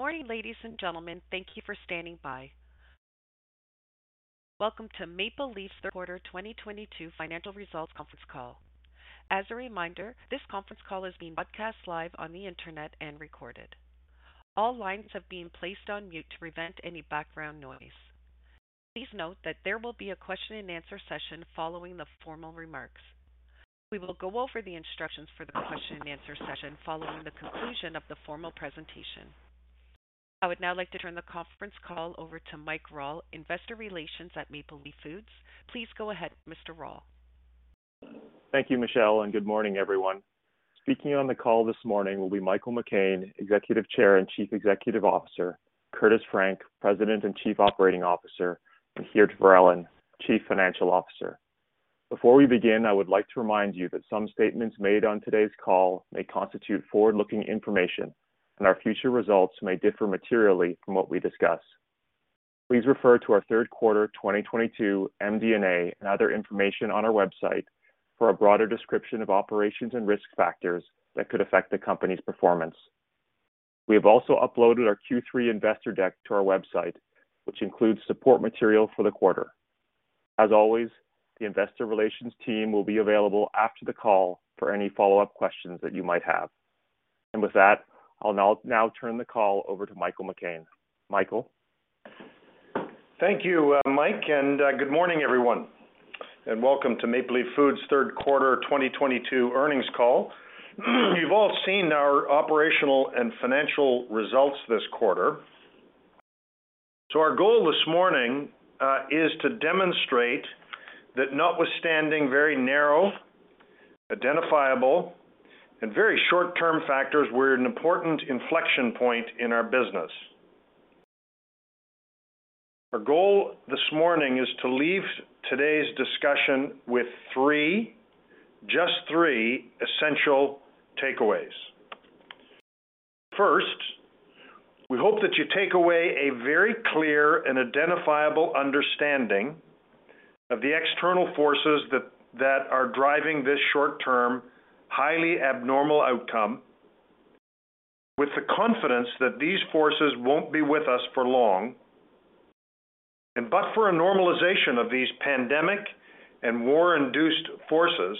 Good morning, ladies and gentlemen. Thank you for standing by. Welcome to Maple Leaf's Third Quarter 2022 financial results conference call. As a reminder, this conference call is being broadcast live on the Internet and recorded. All lines have been placed on mute to prevent any background noise. Please note that there will be a question and answer session following the formal remarks. We will go over the instructions for the question and answer session following the conclusion of the formal presentation. I would now like to turn the conference call over to Mike Rawle, Investor Relations at Maple Leaf Foods. Please go ahead, Mr. Rawle. Thank you, Michelle, and good morning, everyone. Speaking on the call this morning will be Michael McCain, Executive Chair and Chief Executive Officer, Curtis Frank, President and Chief Operating Officer, and Geert Verellen, Chief Financial Officer. Before we begin, I would like to remind you that some statements made on today's call may constitute forward-looking information and our future results may differ materially from what we discuss. Please refer to our third quarter 2022 MD&A and other information on our website for a broader description of operations and risk factors that could affect the company's performance. We have also uploaded our Q3 investor deck to our website, which includes support material for the quarter. As always, the investor relations team will be available after the call for any follow-up questions that you might have. With that, I'll now turn the call over to Michael McCain. Michael? Thank you, Mike, and good morning, everyone, and welcome to Maple Leaf Foods third quarter 2022 earnings call. You've all seen our operational and financial results this quarter. Our goal this morning is to demonstrate that notwithstanding very narrow, identifiable, and very short term factors, we're an important inflection point in our business. Our goal this morning is to leave today's discussion with three, just three essential takeaways. First, we hope that you take away a very clear and identifiable understanding of the external forces that are driving this short term, highly abnormal outcome with the confidence that these forces won't be with us for long. But for a normalization of these pandemic and war-induced forces,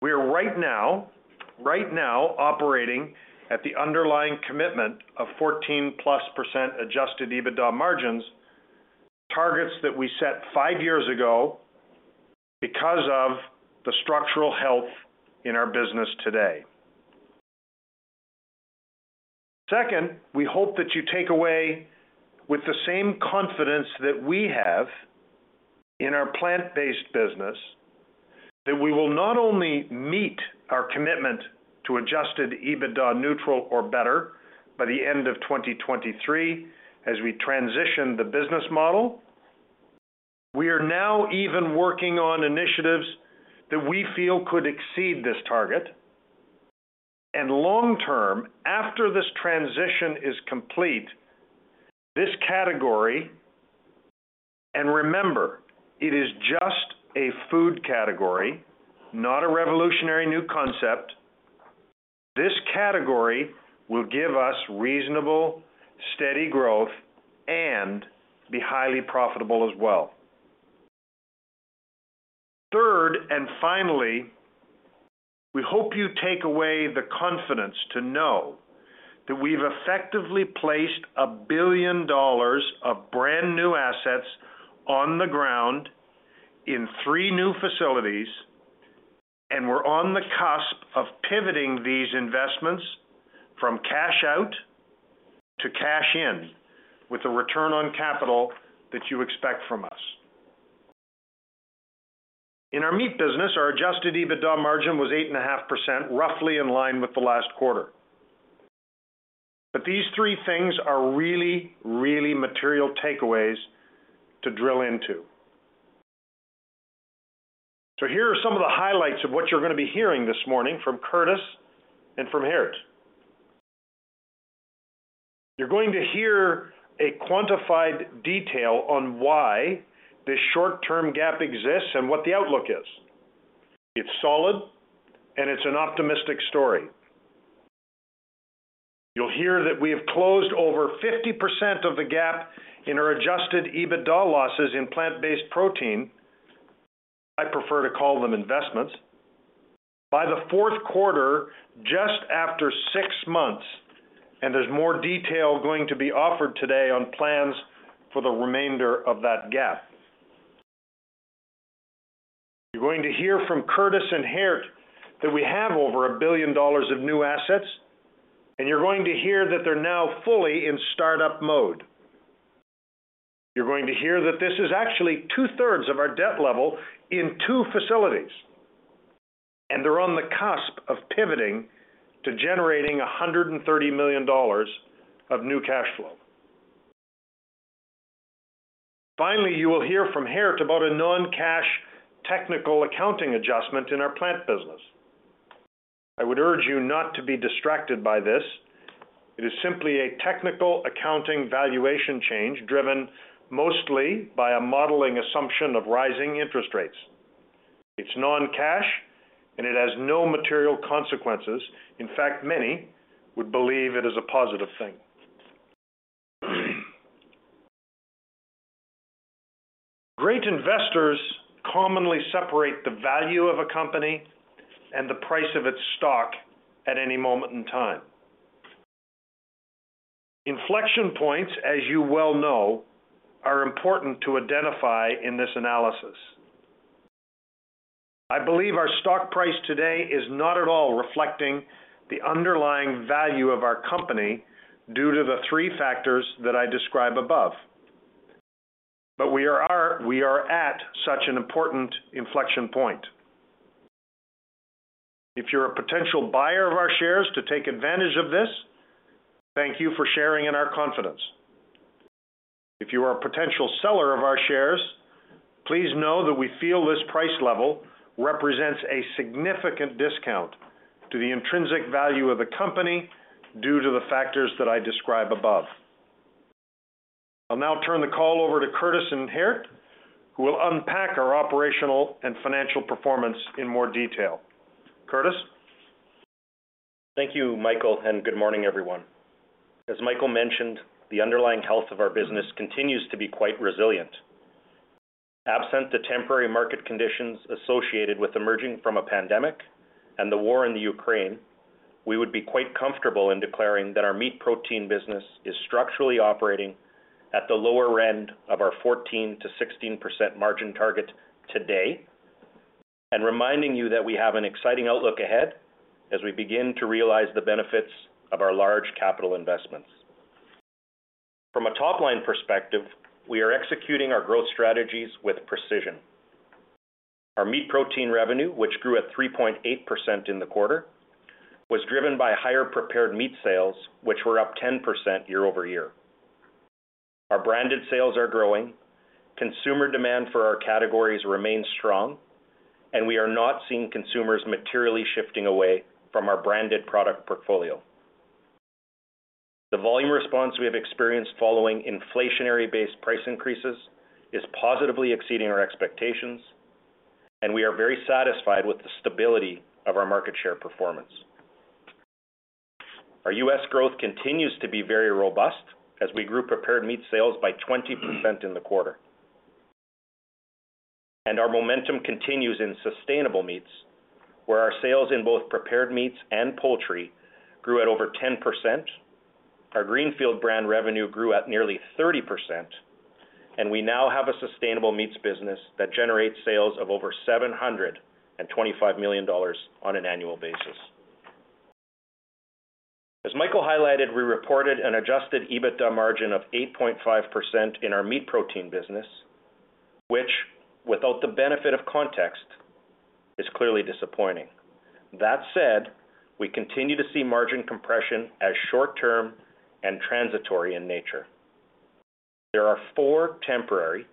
we are right now operating at the underlying commitment of 14%+ Adjusted EBITDA margins, targets that we set five years ago because of the structural health in our business today. Second, we hope that you take away with the same confidence that we have in our plant-based business, that we will not only meet our commitment to Adjusted EBITDA neutral or better by the end of 2023 as we transition the business model. We are now even working on initiatives that we feel could exceed this target. Long term, after this transition is complete, this category, and remember, it is just a food category, not a revolutionary new concept. This category will give us reasonable, steady growth and be highly profitable as well. Third, finally, we hope you take away the confidence to know that we've effectively placed 1 billion dollars of brand new assets on the ground in three new facilities, and we're on the cusp of pivoting these investments from cash out to cash in with a return on capital that you expect from us. In our meat business, our adjusted EBITDA margin was 8.5%, roughly in line with the last quarter. These three things are really, really material takeaways to drill into. Here are some of the highlights of what you're gonna be hearing this morning from Curtis and from Geert. You're going to hear a quantified detail on why this short term gap exists and what the outlook is. It's solid, and it's an optimistic story. You'll hear that we have closed over 50% of the gap in our adjusted EBITDA losses in plant-based protein. I prefer to call them investments, by the fourth quarter just after six months. There's more detail going to be offered today on plans for the remainder of that gap. You're going to hear from Curtis and Geert that we have over 1 billion dollars of new assets, and you're going to hear that they're now fully in startup mode. You're going to hear that this is actually two-thirds of our debt level in two facilities, and they're on the cusp of pivoting to generating 130 million dollars of new cash flow. Finally, you will hear from Geert about a non-cash technical accounting adjustment in our plant business. I would urge you not to be distracted by this. It is simply a technical accounting valuation change driven mostly by a modeling assumption of rising interest rates. It's non-cash, and it has no material consequences. In fact, many would believe it is a positive thing. Great investors commonly separate the value of a company and the price of its stock at any moment in time. Inflection points, as you well know, are important to identify in this analysis. I believe our stock price today is not at all reflecting the underlying value of our company due to the three factors that I describe above. We are at such an important inflection point. If you're a potential buyer of our shares to take advantage of this, thank you for sharing in our confidence. If you are a potential seller of our shares, please know that we feel this price level represents a significant discount to the intrinsic value of the company due to the factors that I describe above. I'll now turn the call over to Curtis Frank and Geert Verellen, who will unpack our operational and financial performance in more detail. Curtis? Thank you, Michael, and good morning, everyone. As Michael mentioned, the underlying health of our business continues to be quite resilient. Absent the temporary market conditions associated with emerging from a pandemic and the war in Ukraine, we would be quite comfortable in declaring that our meat protein business is structurally operating at the lower end of our 14%-16% margin target today, and reminding you that we have an exciting outlook ahead as we begin to realize the benefits of our large capital investments. From a top-line perspective, we are executing our growth strategies with precision. Our meat protein revenue, which grew at 3.8% in the quarter, was driven by higher prepared meat sales, which were up 10% year-over-year. Our branded sales are growing, consumer demand for our categories remains strong, and we are not seeing consumers materially shifting away from our branded product portfolio. The volume response we have experienced following inflationary-based price increases is positively exceeding our expectations, and we are very satisfied with the stability of our market share performance. Our U.S. growth continues to be very robust as we grew prepared meat sales by 20% in the quarter. Our momentum continues in sustainable meats, where our sales in both prepared meats and poultry grew at over 10%. Our Greenfield brand revenue grew at nearly 30%, and we now have a sustainable meats business that generates sales of over 725 million dollars on an annual basis. As Michael highlighted, we reported an adjusted EBITDA margin of 8.5% in our meat protein business, which, without the benefit of context, is clearly disappointing. That said, we continue to see margin compression as short term and transitory in nature. There are four temporary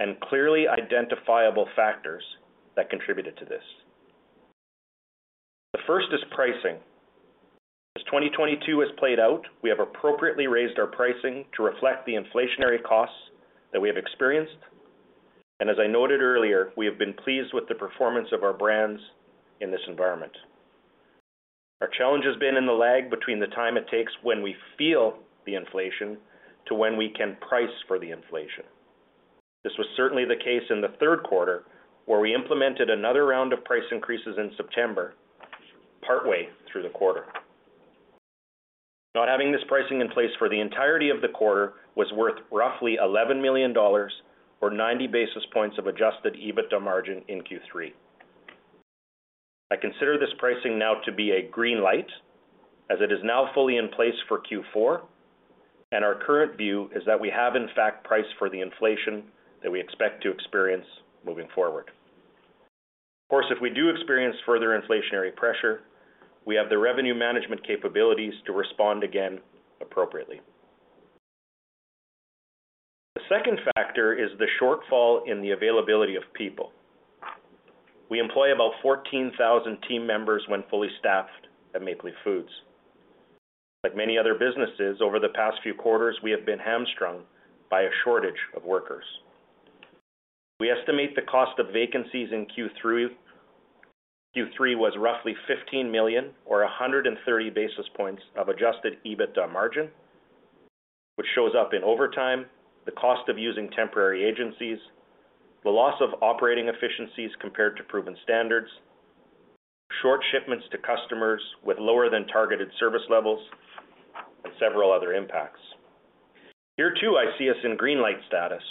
and clearly identifiable factors that contributed to this. The first is pricing. As 2022 has played out, we have appropriately raised our pricing to reflect the inflationary costs that we have experienced. As I noted earlier, we have been pleased with the performance of our brands in this environment. Our challenge has been in the lag between the time it takes when we feel the inflation to when we can price for the inflation. This was certainly the case in the third quarter, where we implemented another round of price increases in September, partway through the quarter. Not having this pricing in place for the entirety of the quarter was worth roughly 11 million dollars or 90 basis points of Adjusted EBITDA margin in Q3. I consider this pricing now to be a green light as it is now fully in place for Q4. Our current view is that we have in fact priced for the inflation that we expect to experience moving forward. Of course, if we do experience further inflationary pressure, we have the revenue management capabilities to respond again appropriately. The second factor is the shortfall in the availability of people. We employ about 14,000 team members when fully staffed at Maple Leaf Foods. Like many other businesses over the past few quarters, we have been hamstrung by a shortage of workers. We estimate the cost of vacancies in Q3. Q3 was roughly 15 million or 130 basis points of Adjusted EBITDA margin, which shows up in overtime, the cost of using temporary agencies, the loss of operating efficiencies compared to proven standards, short shipments to customers with lower than targeted service levels, and several other impacts. Here, too, I see us in green light status.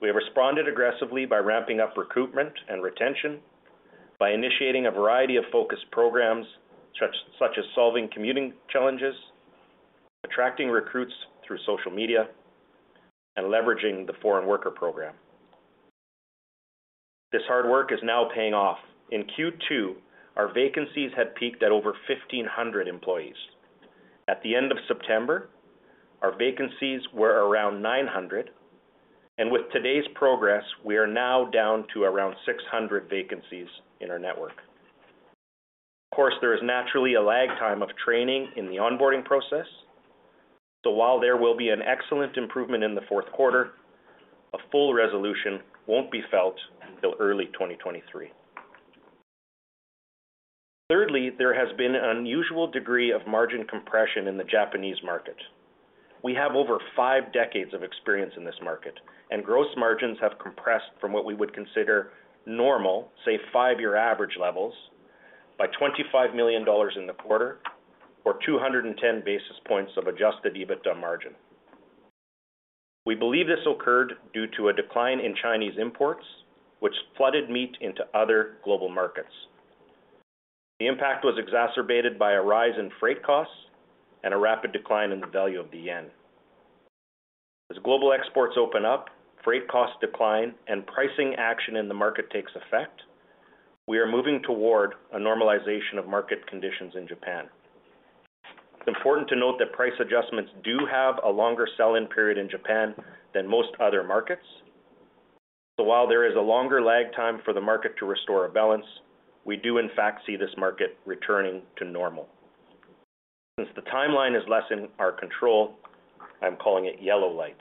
We have responded aggressively by ramping up recruitment and retention by initiating a variety of focused programs such as solving commuting challenges, attracting recruits through social media, and leveraging the foreign worker program. This hard work is now paying off. In Q2, our vacancies had peaked at over 1,500 employees. At the end of September, our vacancies were around 900, and with today's progress, we are now down to around 600 vacancies in our network. Of course, there is naturally a lag time of training in the onboarding process. While there will be an excellent improvement in the fourth quarter, a full resolution won't be felt until early 2023. Thirdly, there has been an unusual degree of margin compression in the Japanese market. We have over five decades of experience in this market, and gross margins have compressed from what we would consider normal, say five-year average levels by 25 million dollars in the quarter or 210 basis points of Adjusted EBITDA margin. We believe this occurred due to a decline in Chinese imports, which flooded meat into other global markets. The impact was exacerbated by a rise in freight costs and a rapid decline in the value of the yen. As global exports open up, freight costs decline, and pricing action in the market takes effect, we are moving toward a normalization of market conditions in Japan. It's important to note that price adjustments do have a longer sell-in period in Japan than most other markets. While there is a longer lag time for the market to restore a balance, we do in fact see this market returning to normal. Since the timeline is less in our control, I'm calling it yellow light.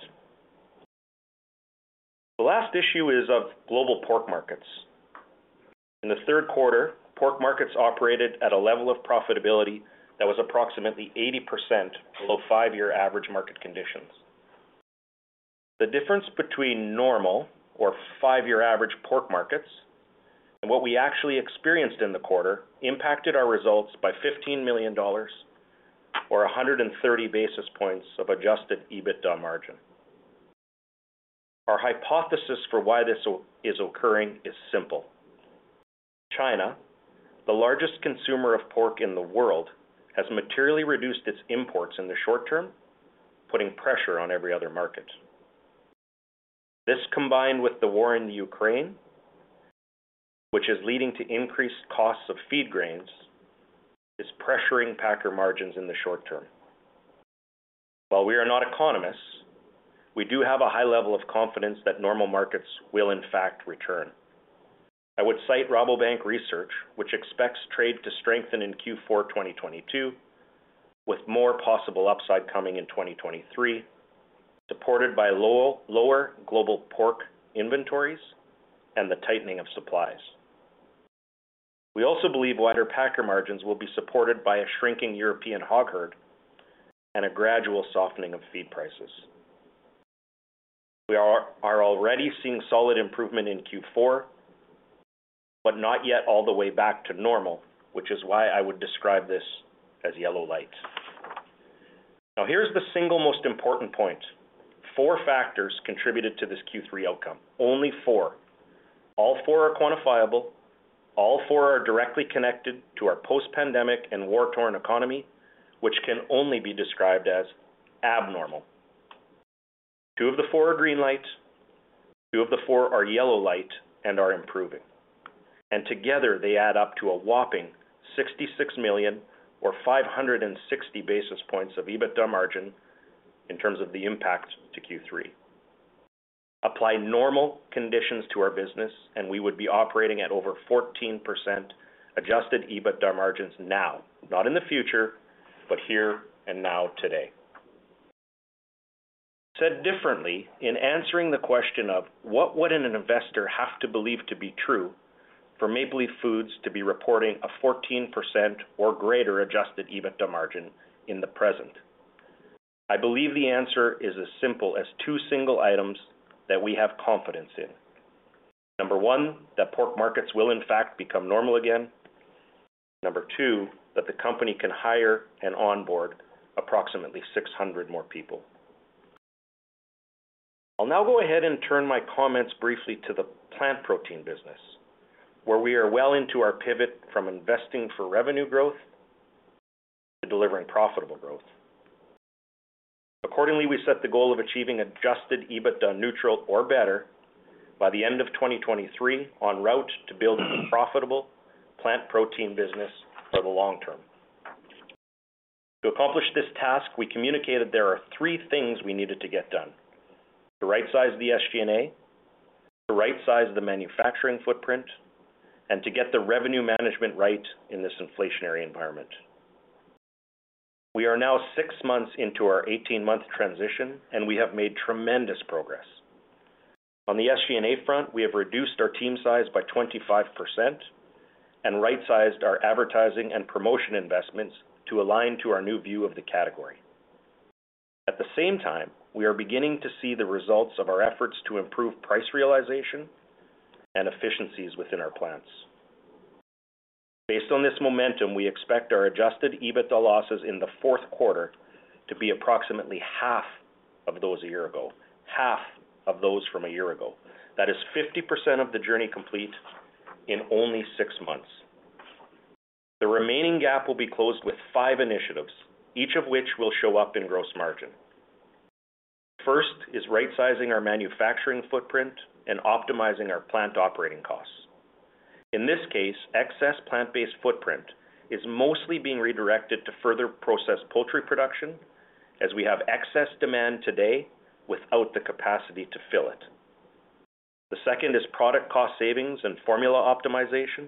The last issue is of global pork markets. In the third quarter, pork markets operated at a level of profitability that was approximately 80% below five-year average market conditions. The difference between normal or five-year average pork markets and what we actually experienced in the quarter impacted our results by 15 million dollars or 130 basis points of Adjusted EBITDA margin. Our hypothesis for why this is occurring is simple. China, the largest consumer of pork in the world, has materially reduced its imports in the short term, putting pressure on every other market. This, combined with the war in Ukraine, which is leading to increased costs of feed grains, is pressuring packer margins in the short term. While we are not economists, we do have a high level of confidence that normal markets will in fact return. I would cite Rabobank Research, which expects trade to strengthen in Q4 2022, with more possible upside coming in 2023, supported by lower global pork inventories and the tightening of supplies. We also believe wider packer margins will be supported by a shrinking European hog herd and a gradual softening of feed prices. We are already seeing solid improvement in Q4, but not yet all the way back to normal, which is why I would describe this as yellow light. Now, here's the single most important point. Four factors contributed to this Q3 outcome. Only four. All four are quantifiable. All four are directly connected to our post-pandemic and war-torn economy, which can only be described as abnormal. Two of the four are green light. Two of the four are yellow light and are improving. Together they add up to a whopping 66 million or 560 basis points of EBITDA margin in terms of the impact to Q3. Apply normal conditions to our business and we would be operating at over 14% Adjusted EBITDA margins now, not in the future, but here and now today. Said differently, in answering the question of what would an investor have to believe to be true for Maple Leaf Foods to be reporting a 14% or greater Adjusted EBITDA margin in the present? I believe the answer is as simple as two single items that we have confidence in. Number one, that pork markets will in fact become normal again. Number two, that the company can hire and onboard approximately 600 more people. I'll now go ahead and turn my comments briefly to the plant protein business, where we are well into our pivot from investing for revenue growth to delivering profitable growth. Accordingly, we set the goal of achieving Adjusted EBITDA neutral or better by the end of 2023 en route to building a profitable plant protein business for the long term. To accomplish this task, we communicated there are three things we needed to get done. The right size of the SG&A, the right size of the manufacturing footprint, and to get the revenue management right in this inflationary environment. We are now 6 months into our 18-month transition and we have made tremendous progress. On the SG&A front, we have reduced our team size by 25% and right-sized our advertising and promotion investments to align to our new view of the category. At the same time, we are beginning to see the results of our efforts to improve price realization and efficiencies within our plants. Based on this momentum, we expect our Adjusted EBITDA losses in the fourth quarter to be approximately half of those from a year ago. That is 50% of the journey complete in only six months. The remaining gap will be closed with five initiatives, each of which will show up in gross margin. First is rightsizing our manufacturing footprint and optimizing our plant operating costs. In this case, excess plant-based footprint is mostly being redirected to further process poultry production as we have excess demand today without the capacity to fill it. The second is product cost savings and formula optimization.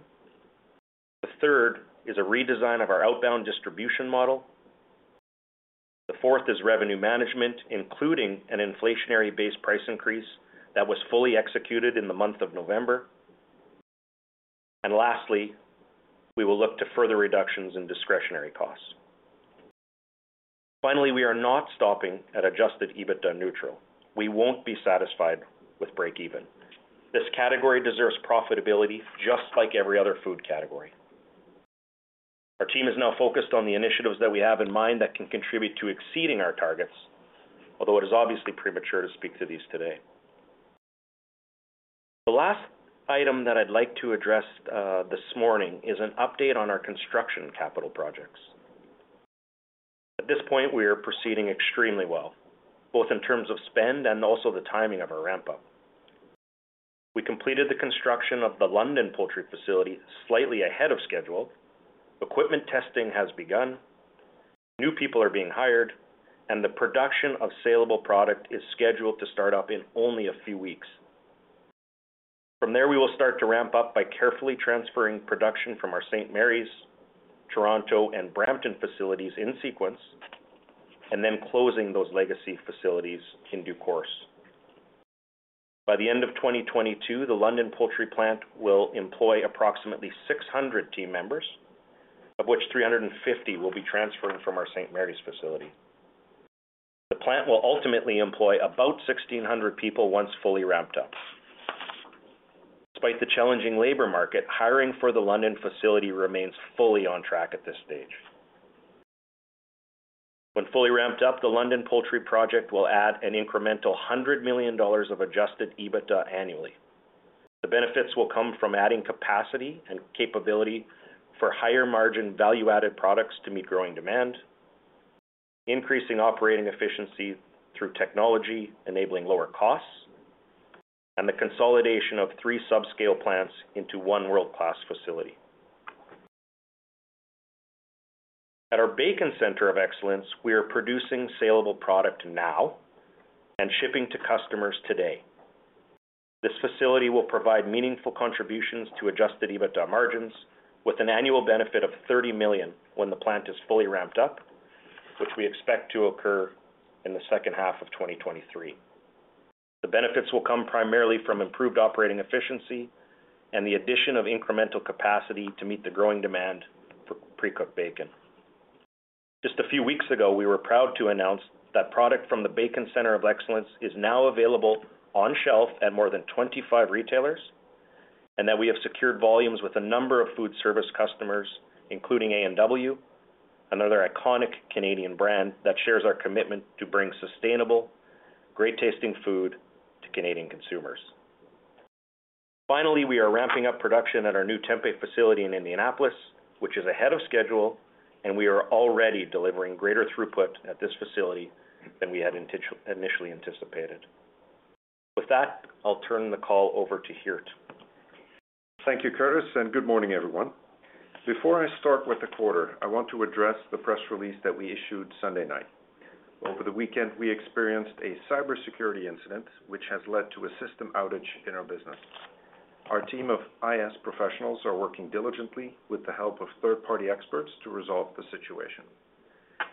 The third is a redesign of our outbound distribution model. The fourth is revenue management, including an inflationary-based price increase that was fully executed in the month of November. Lastly, we will look to further reductions in discretionary costs. Finally, we are not stopping at Adjusted EBITDA neutral. We won't be satisfied with break even. This category deserves profitability just like every other food category. Our team is now focused on the initiatives that we have in mind that can contribute to exceeding our targets, although it is obviously premature to speak to these today. The last item that I'd like to address this morning is an update on our construction capital projects. At this point, we are proceeding extremely well, both in terms of spend and also the timing of our ramp up. We completed the construction of the London poultry facility slightly ahead of schedule. Equipment testing has begun. New people are being hired, and the production of saleable product is scheduled to start up in only a few weeks. From there, we will start to ramp up by carefully transferring production from our St. Mary's, Toronto, and Brampton facilities in sequence, and then closing those legacy facilities in due course. By the end of 2022, the London poultry plant will employ approximately 600 team members, of which 350 will be transferred from our St. Mary's facility. The plant will ultimately employ about 1,600 people once fully ramped up. Despite the challenging labor market, hiring for the London facility remains fully on track at this stage. When fully ramped up, the London poultry project will add an incremental 100 million dollars of Adjusted EBITDA annually. The benefits will come from adding capacity and capability for higher margin value-added products to meet growing demand, increasing operating efficiency through technology enabling lower costs, and the consolidation of three subscale plants into one world-class facility. At our bacon center of excellence, we are producing saleable product now and shipping to customers today. This facility will provide meaningful contributions to Adjusted EBITDA margins with an annual benefit of 30 million when the plant is fully ramped up, which we expect to occur in the second half of 2023. The benefits will come primarily from improved operating efficiency and the addition of incremental capacity to meet the growing demand for pre-cooked bacon. Just a few weeks ago, we were proud to announce that product from the bacon center of excellence is now available on shelf at more than 25 retailers, and that we have secured volumes with a number of food service customers, including A&W, another iconic Canadian brand that shares our commitment to bring sustainable, great-tasting food to Canadian consumers. Finally, we are ramping up production at our new tempeh facility in Indianapolis, which is ahead of schedule, and we are already delivering greater throughput at this facility than we had initially anticipated. With that, I'll turn the call over to Geert. Thank you, Curtis, and good morning, everyone. Before I start with the quarter, I want to address the press release that we issued Sunday night. Over the weekend, we experienced a cybersecurity incident which has led to a system outage in our business. Our team of IS professionals are working diligently with the help of third-party experts to resolve the situation.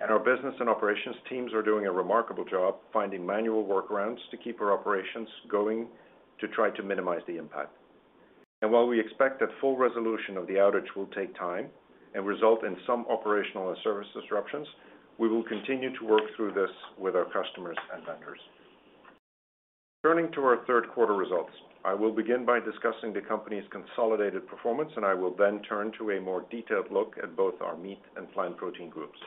Our business and operations teams are doing a remarkable job finding manual workarounds to keep our operations going to try to minimize the impact. While we expect that full resolution of the outage will take time and result in some operational and service disruptions, we will continue to work through this with our customers and vendors. Turning to our third quarter results, I will begin by discussing the company's consolidated performance, and I will then turn to a more detailed look at both our meat and plant protein groups.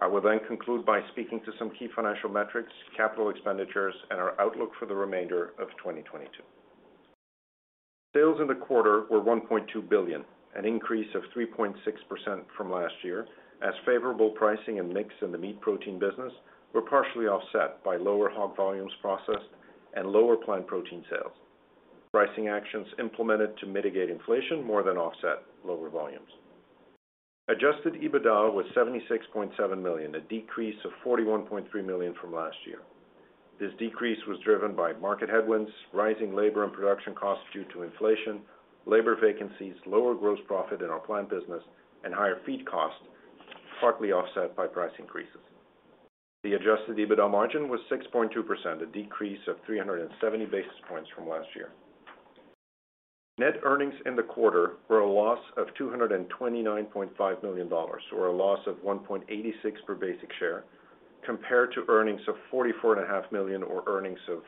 I will then conclude by speaking to some key financial metrics, capital expenditures, and our outlook for the remainder of 2022. Sales in the quarter were 1.2 billion, an increase of 3.6% from last year, as favorable pricing and mix in the meat protein business were partially offset by lower hog volumes processed and lower plant protein sales. Pricing actions implemented to mitigate inflation more than offset lower volumes. Adjusted EBITDA was 76.7 million, a decrease of 41.3 million from last year. This decrease was driven by market headwinds, rising labor and production costs due to inflation, labor vacancies, lower gross profit in our plant business, and higher feed costs, partly offset by price increases. The Adjusted EBITDA margin was 6.2%, a decrease of 370 basis points from last year. Net earnings in the quarter were a loss of 229.5 million dollars, or a loss of 1.86 per basic share, compared to earnings of 44.5 million, or earnings of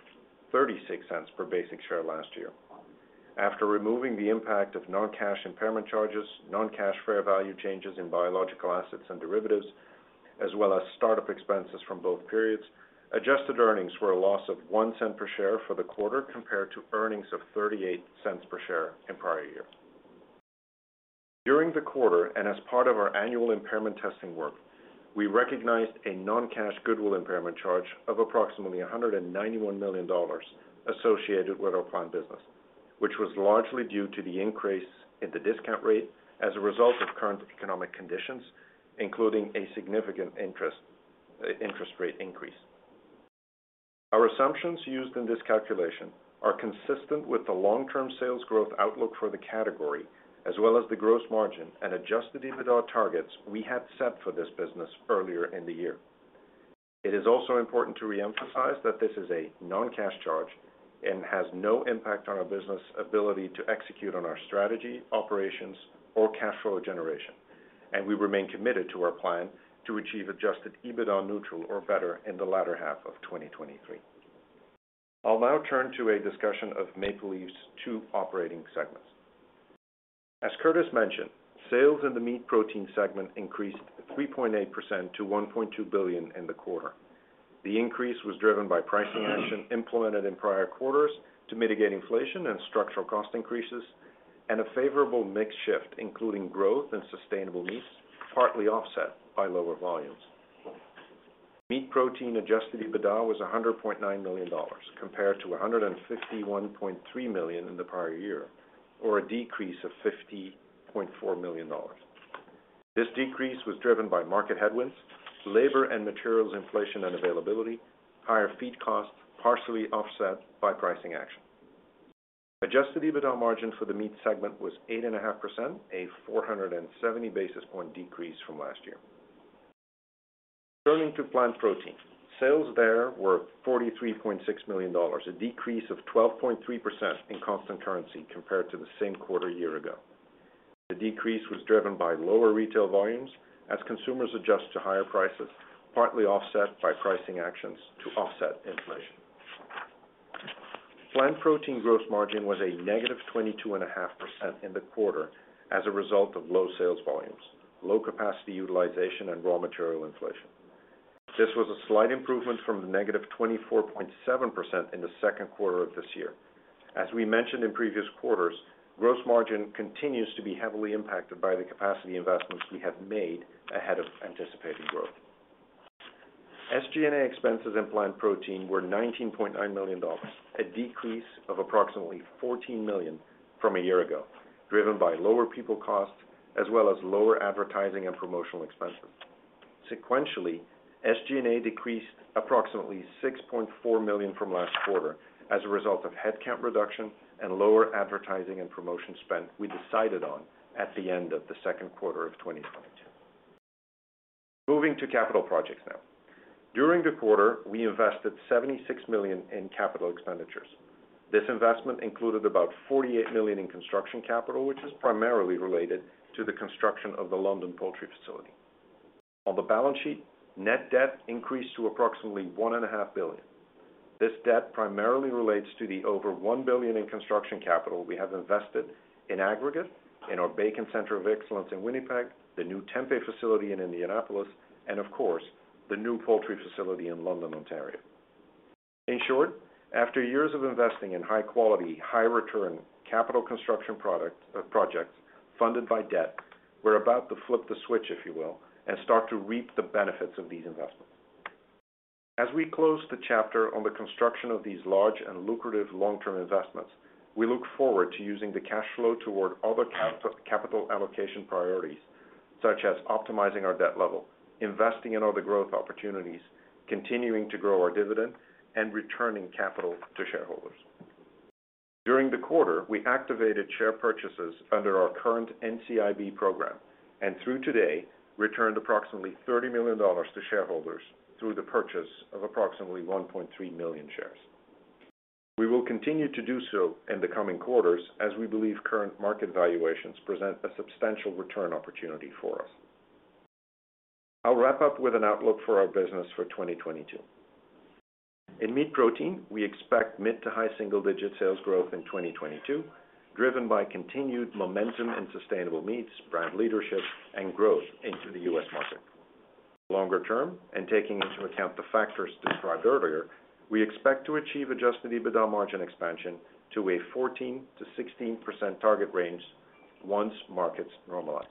0.36 per basic share last year. After removing the impact of non-cash impairment charges, non-cash fair value changes in biological assets and derivatives, as well as startup expenses from both periods, Adjusted earnings were a loss of 0.01 per share for the quarter, compared to earnings of 0.38 per share in prior year. During the quarter, and as part of our annual impairment testing work, we recognized a non-cash goodwill impairment charge of approximately 191 million dollars associated with our plant business, which was largely due to the increase in the discount rate as a result of current economic conditions, including a significant interest rate increase. Our assumptions used in this calculation are consistent with the long-term sales growth outlook for the category, as well as the gross margin and Adjusted EBITDA targets we had set for this business earlier in the year. It is also important to re-emphasize that this is a non-cash charge and has no impact on our business ability to execute on our strategy, operations or cash flow generation, and we remain committed to our plan to achieve Adjusted EBITDA neutral or better in the latter half of 2023. I'll now turn to a discussion of Maple Leaf's two operating segments. As Curtis mentioned, sales in the meat protein segment increased 3.8% to 1.2 billion in the quarter. The increase was driven by pricing action implemented in prior quarters to mitigate inflation and structural cost increases, and a favorable mix shift, including growth in sustainable meats, partly offset by lower volumes. Meat protein Adjusted EBITDA was 100.9 million dollars, compared to 151.3 million in the prior year, or a decrease of 50.4 million dollars. This decrease was driven by market headwinds, labor and materials inflation and availability, higher feed costs, partially offset by pricing action. Adjusted EBITDA margin for the meat segment was 8.5%, a 470 basis point decrease from last year. Turning to plant protein. Sales there were 43.6 million dollars, a decrease of 12.3% in constant currency compared to the same quarter a year ago. The decrease was driven by lower retail volumes as consumers adjust to higher prices, partly offset by pricing actions to offset inflation. Plant protein gross margin was -22.5% in the quarter as a result of low sales volumes, low capacity utilization and raw material inflation. This was a slight improvement from the -24.7% in the second quarter of this year. As we mentioned in previous quarters, gross margin continues to be heavily impacted by the capacity investments we have made ahead of anticipated growth. SG&A expenses in plant protein were 19.9 million dollars, a decrease of approximately 14 million from a year ago, driven by lower people costs as well as lower advertising and promotional expenses. Sequentially, SG&A decreased approximately 6.4 million from last quarter as a result of headcount reduction and lower advertising and promotion spend we decided on at the end of the second quarter of 2022. Moving to capital projects now. During the quarter, we invested 76 million in capital expenditures. This investment included about 48 million in construction capital, which is primarily related to the construction of the London poultry facility. On the balance sheet, net debt increased to approximately 1.5 billion. This debt primarily relates to the over 1 billion in construction capital we have invested in aggregate in our bacon center of excellence in Winnipeg, the new tempeh facility in Indianapolis and of course, the new poultry facility in London, Ontario. In short, after years of investing in high quality, high return capital construction product, projects funded by debt, we're about to flip the switch, if you will, and start to reap the benefits of these investments. As we close the chapter on the construction of these large and lucrative long-term investments, we look forward to using the cash flow toward other capital allocation priorities such as optimizing our debt level, investing in other growth opportunities, continuing to grow our dividend and returning capital to shareholders. During the quarter, we activated share purchases under our current NCIB program and through today returned approximately 30 million dollars to shareholders through the purchase of approximately 1.3 million shares. We will continue to do so in the coming quarters as we believe current market valuations present a substantial return opportunity for us. I'll wrap up with an outlook for our business for 2022. In meat protein, we expect mid- to high-single-digit sales growth in 2022, driven by continued momentum in sustainable meats, brand leadership and growth into the U.S. market. Longer term, and taking into account the factors described earlier, we expect to achieve Adjusted EBITDA margin expansion to a 14%-16% target range once markets normalize.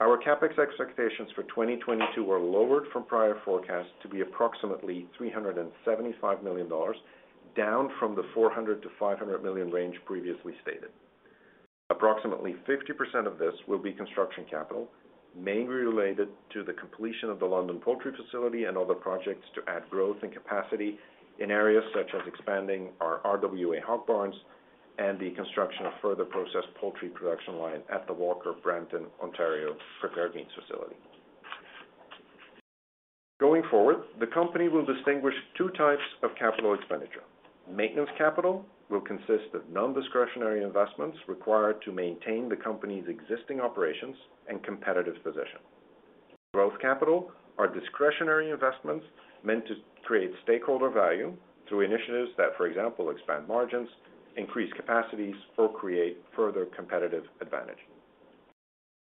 Our CapEx expectations for 2022 were lowered from prior forecasts to be approximately 375 million dollars, down from the 400 million-500 million range previously stated. Approximately 50% of this will be construction capital, mainly related to the completion of the London poultry facility and other projects to add growth and capacity in areas such as expanding our RWA hog barns and the construction of further processed poultry production line at the Walker, Brampton, Ontario prepared meats facility. Going forward, the company will distinguish two types of capital expenditure. Maintenance capital will consist of non-discretionary investments required to maintain the company's existing operations and competitive position. Growth capital are discretionary investments meant to create stakeholder value through initiatives that, for example, expand margins, increase capacities, or create further competitive advantage.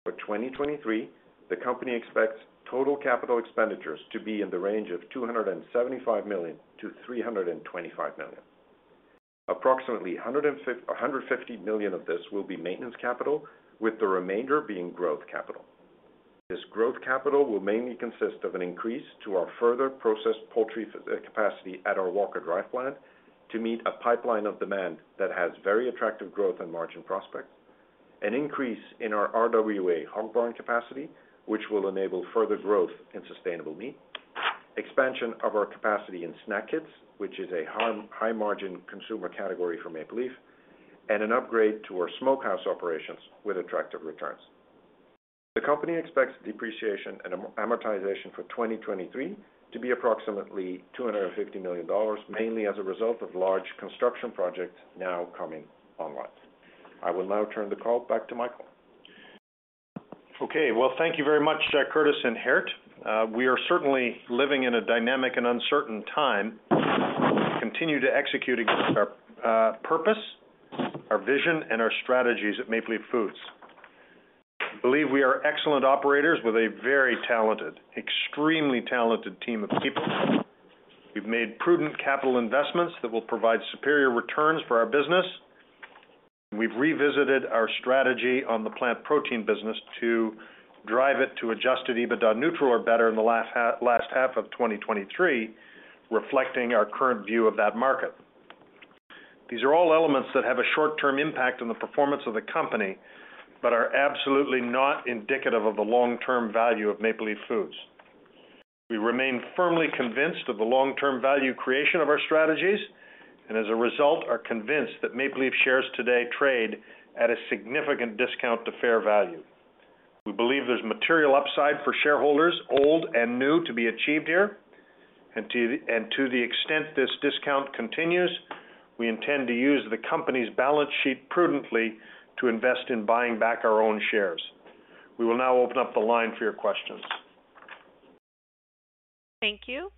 For 2023, the company expects total capital expenditures to be in the range of 275 million-325 million. Approximately 150 million of this will be maintenance capital, with the remainder being growth capital. This growth capital will mainly consist of an increase to our further processed poultry capacity at our Walker Drive plant to meet a pipeline of demand that has very attractive growth and margin prospects. An increase in our RWA hog barn capacity, which will enable further growth in sustainable meat. Expansion of our capacity in snack kits, which is a high margin consumer category for Maple Leaf, and an upgrade to our smokehouse operations with attractive returns. The company expects depreciation and amortization for 2023 to be approximately 250 million dollars, mainly as a result of large construction projects now coming online. I will now turn the call back to Michael. Well, thank you very much, Curtis and Geert. We are certainly living in a dynamic and uncertain time. We continue to execute against our purpose, our vision, and our strategies at Maple Leaf Foods. I believe we are excellent operators with a very talented, extremely talented team of people. We've made prudent capital investments that will provide superior returns for our business. We've revisited our strategy on the plant protein business to drive it to Adjusted EBITDA neutral or better in the last half of 2023, reflecting our current view of that market. These are all elements that have a short-term impact on the performance of the company but are absolutely not indicative of the long-term value of Maple Leaf Foods. We remain firmly convinced of the long-term value creation of our strategies and as a result are convinced that Maple Leaf shares today trade at a significant discount to fair value. We believe there's material upside for shareholders, old and new, to be achieved here. To the extent this discount continues, we intend to use the company's balance sheet prudently to invest in buying back our own shares. We will now open up the line for your questions. Thank you.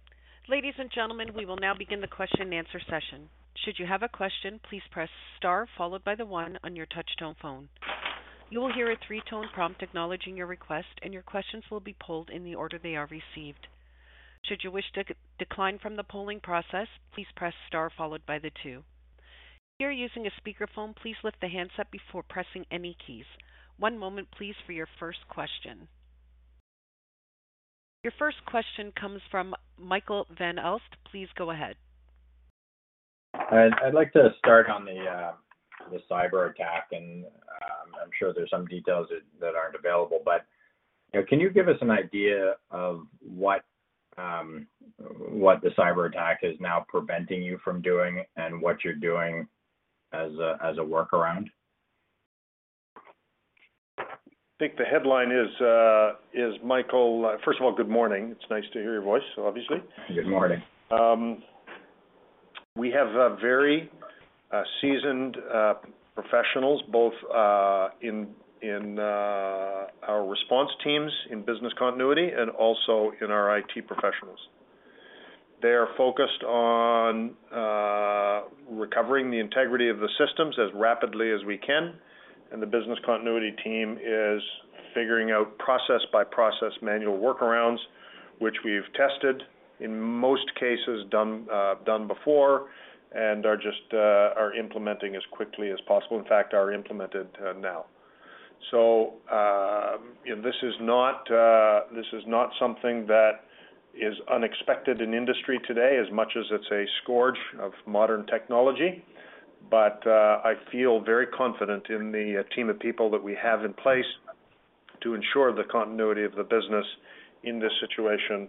Ladies and gentlemen, we will now begin the question and answer session. Should you have a question, please press star followed by the one on your touch-tone phone. You will hear a three-tone prompt acknowledging your request, and your questions will be polled in the order they are received. Should you wish to decline from the polling process, please press star followed by the two. If you are using a speakerphone, please lift the handset before pressing any keys. One moment please for your first question. Your first question comes from Michael Van Aelst. Please go ahead. I'd like to start on the cyberattack, and I'm sure there's some details that aren't available. You know, can you give us an idea of what the cyberattack is now preventing you from doing and what you're doing as a workaround? I think the headline is, first of all, good morning. It's nice to hear your voice, obviously. Good morning. We have very seasoned professionals, both in our response teams in business continuity and also in our IT professionals. They are focused on recovering the integrity of the systems as rapidly as we can, and the business continuity team is figuring out process-by-process manual workarounds, which we've tested, in most cases done before, and are just implementing as quickly as possible. In fact, are implemented now. This is not something that is unexpected in industry today as much as it's a scourge of modern technology. I feel very confident in the team of people that we have in place to ensure the continuity of the business in this situation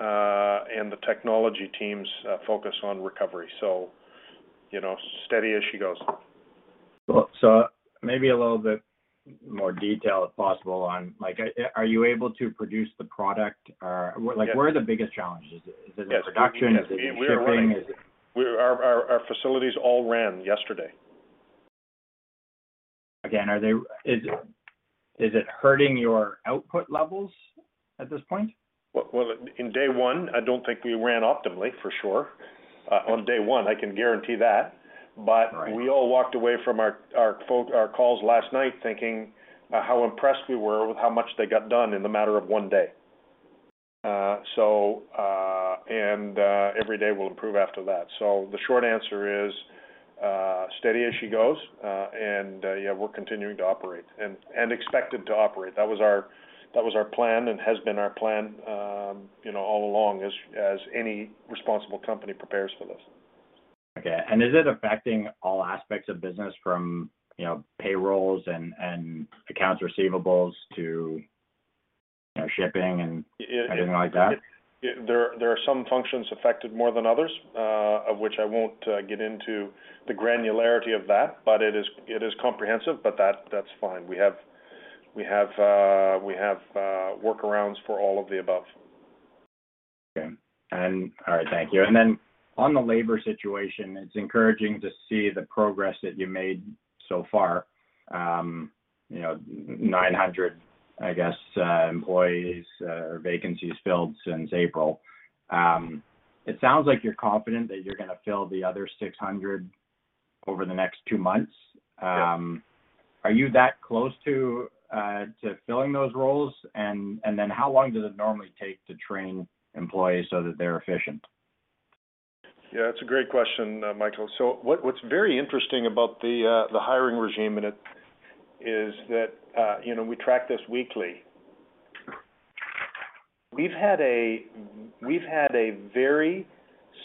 and the technology team's focus on recovery. You know, steady as she goes. Well, maybe a little bit more detail, if possible, on like are you able to produce the product? Or like, where are the biggest challenges? Is it the production? Is it shipping? Is it We are running. Our facilities all ran yesterday. Again, is it hurting your output levels at this point? Well, in day one, I don't think we ran optimally for sure. On day one, I can guarantee that. Right. We all walked away from our folks, our calls last night thinking how impressed we were with how much they got done in the matter of one day. Every day will improve after that. The short answer is steady as she goes. We're continuing to operate and expected to operate. That was our plan and has been our plan, you know, all along as any responsible company prepares for this. Okay. Is it affecting all aspects of business from, you know, payrolls and accounts receivables to, you know, shipping and anything like that? There are some functions affected more than others, of which I won't get into the granularity of that, but it is comprehensive, but that's fine. We have workarounds for all of the above. Okay. All right, thank you. On the labor situation, it's encouraging to see the progress that you made so far. You know, 900, I guess, employees or vacancies filled since April. It sounds like you're confident that you're gonna fill the other 600 over the next two months. Yeah. Are you that close to filling those roles? How long does it normally take to train employees so that they're efficient? Yeah, that's a great question, Michael. So what's very interesting about the hiring regime is that, you know, we track this weekly. We've had a very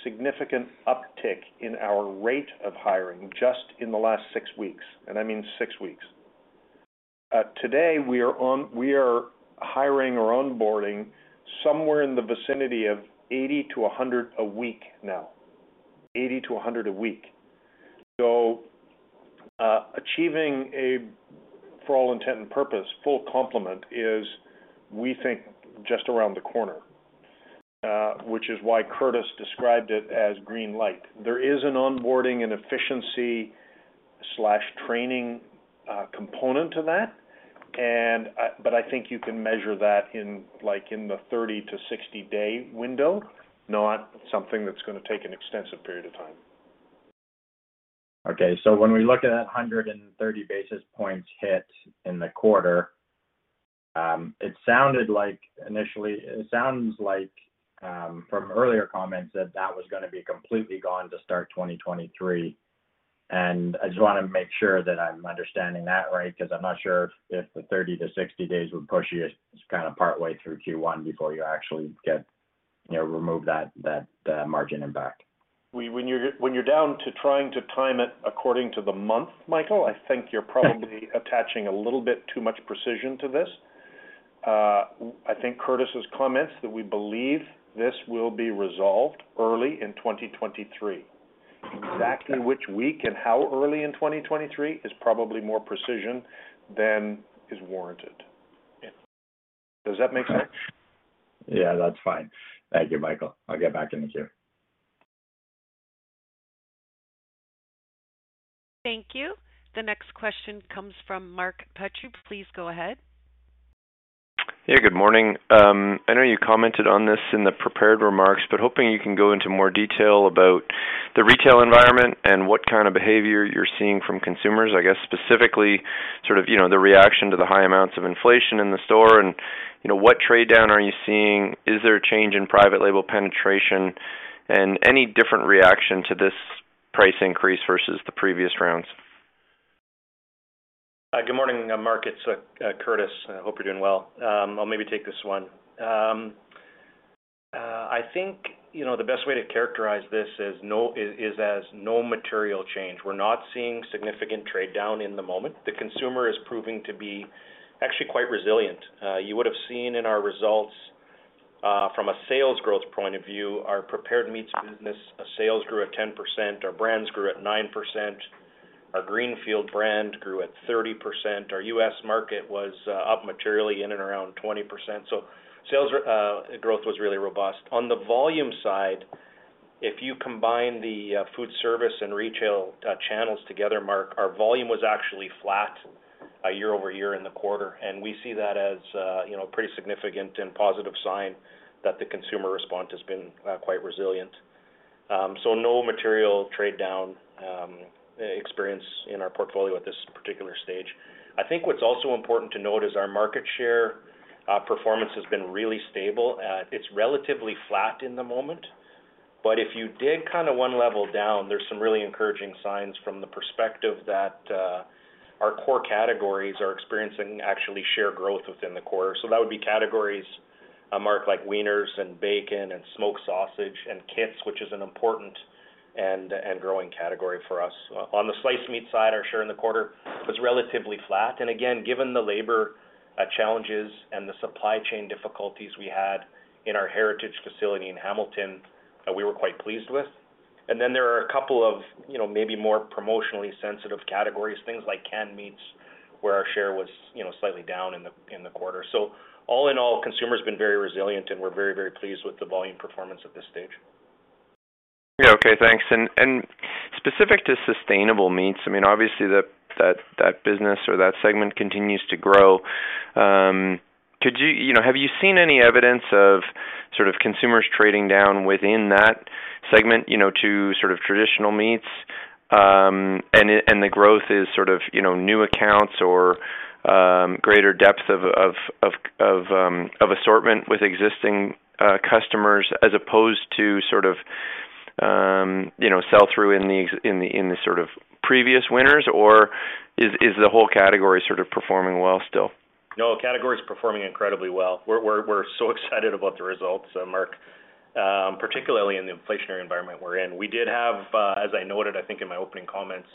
significant uptick in our rate of hiring just in the last six weeks, and I mean six weeks. Today we are hiring or onboarding somewhere in the vicinity of 80-100 a week now. 80-100 a week. So achieving, for all intents and purposes, full complement is, we think, just around the corner, which is why Curtis described it as green light. There is an onboarding and efficiency/training component to that. But I think you can measure that in, like, the 30- to 60-day window, not something that's gonna take an extensive period of time. Okay. When we look at that 130 basis points hit in the quarter, it sounded like initially it sounds like from earlier comments that that was gonna be completely gone to start 2023. I just wanna make sure that I'm understanding that right, 'cause I'm not sure if the 30-60 days would push you just kinda partway through Q1 before you actually get, you know, remove that margin impact. When you're down to trying to time it according to the month, Michael, I think you're probably attaching a little bit too much precision to this. I think Curtis's comments that we believe this will be resolved early in 2023. Exactly which week and how early in 2023 is probably more precision than is warranted. Does that make sense? Yeah, that's fine. Thank you, Michael. I'll get back in the queue. Thank you. The next question comes from Mark Petrie. Please go ahead. Yeah, good morning. I know you commented on this in the prepared remarks, but hoping you can go into more detail about the retail environment and what kind of behavior you're seeing from consumers. I guess, specifically, sort of, you know, the reaction to the high amounts of inflation in the store and, you know, what trade down are you seeing? Is there a change in private label penetration? Any different reaction to this price increase versus the previous rounds? Good morning, Mark. It's Curtis. I hope you're doing well. I'll maybe take this one. I think, you know, the best way to characterize this is no material change. We're not seeing significant trade down in the moment. The consumer is proving to be actually quite resilient. You would have seen in our results, from a sales growth point of view, our prepared meats business sales grew at 10%, our brands grew at 9%, our Greenfield brand grew at 30%. Our US market was up materially in and around 20%. So sales growth was really robust. On the volume side, if you combine the food service and retail channels together, Mark, our volume was actually flat year-over-year in the quarter. We see that as, you know, pretty significant and positive sign that the consumer response has been quite resilient. So no material trade down experience in our portfolio at this particular stage. I think what's also important to note is our market share performance has been really stable. It's relatively flat in the moment. But if you dig kinda one level down, there's some really encouraging signs from the perspective that our core categories are experiencing actually share growth within the quarter. So that would be categories, Mark, like wieners and bacon and smoked sausage and kits, which is an important and growing category for us. On the sliced meat side, our share in the quarter was relatively flat. Again, given the labor challenges and the supply chain difficulties we had in our heritage facility in Hamilton, we were quite pleased with. There are a couple of, you know, maybe more promotionally sensitive categories, things like canned meats, where our share was, you know, slightly down in the quarter. All in all, consumer has been very resilient, and we're very, very pleased with the volume performance at this stage. Yeah. Okay. Thanks. Specific to sustainable meats, I mean, obviously that business or that segment continues to grow. Could you? You know, have you seen any evidence of sort of consumers trading down within that segment, you know, to sort of traditional meats, and the growth is sort of, you know, new accounts or greater depth of assortment with existing customers as opposed to sort of, you know, sell-through in the sort of previous winners? Or is the whole category sort of performing well still? No, category is performing incredibly well. We're so excited about the results, Mark, particularly in the inflationary environment we're in. We did have, as I noted, I think in my opening comments,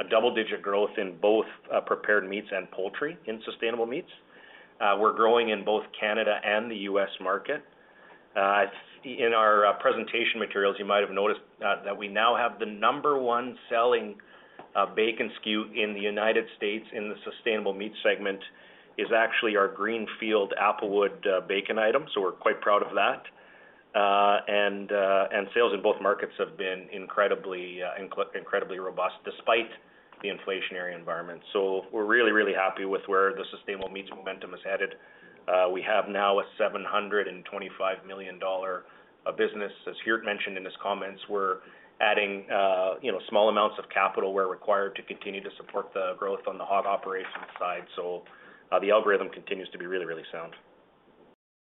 a double-digit growth in both, prepared meats and poultry in sustainable meats. We're growing in both Canada and the US market. In our presentation materials, you might have noticed that we now have the number one selling, bacon SKU in the United States in the sustainable meat segment is actually our Greenfield Applewood, bacon item. So we're quite proud of that. Sales in both markets have been incredibly robust despite the inflationary environment. We're really happy with where the sustainable meats momentum is headed. We have now a 725 million dollar of business. As Geert mentioned in his comments, we're adding, you know, small amounts of capital where required to continue to support the growth on the hog operations side. The allocation continues to be really sound.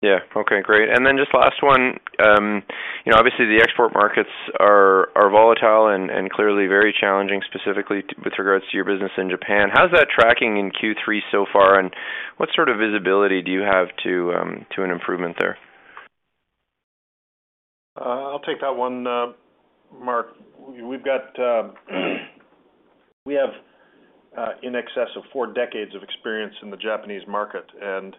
Yeah. Okay, great. Just last one. You know, obviously the export markets are volatile and clearly very challenging, specifically with regards to your business in Japan. How's that tracking in Q3 so far? What sort of visibility do you have to an improvement there? I'll take that one, Mark. We have in excess of 4 decades of experience in the Japanese market, and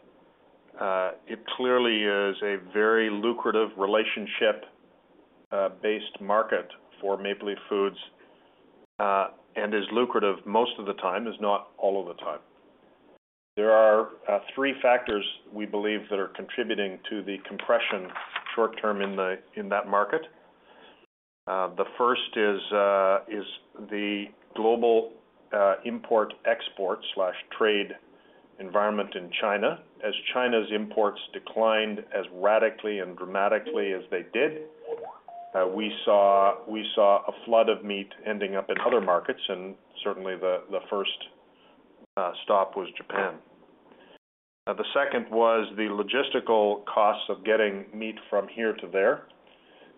it clearly is a very lucrative relationship-based market for Maple Leaf Foods, and is lucrative most of the time, not all of the time. There are 3 factors we believe that are contributing to the compression short term in that market. The first is the global import/export trade environment in China. As China's imports declined as radically and dramatically as they did, we saw a flood of meat ending up in other markets, and certainly the first stop was Japan. The second was the logistical costs of getting meat from here to there,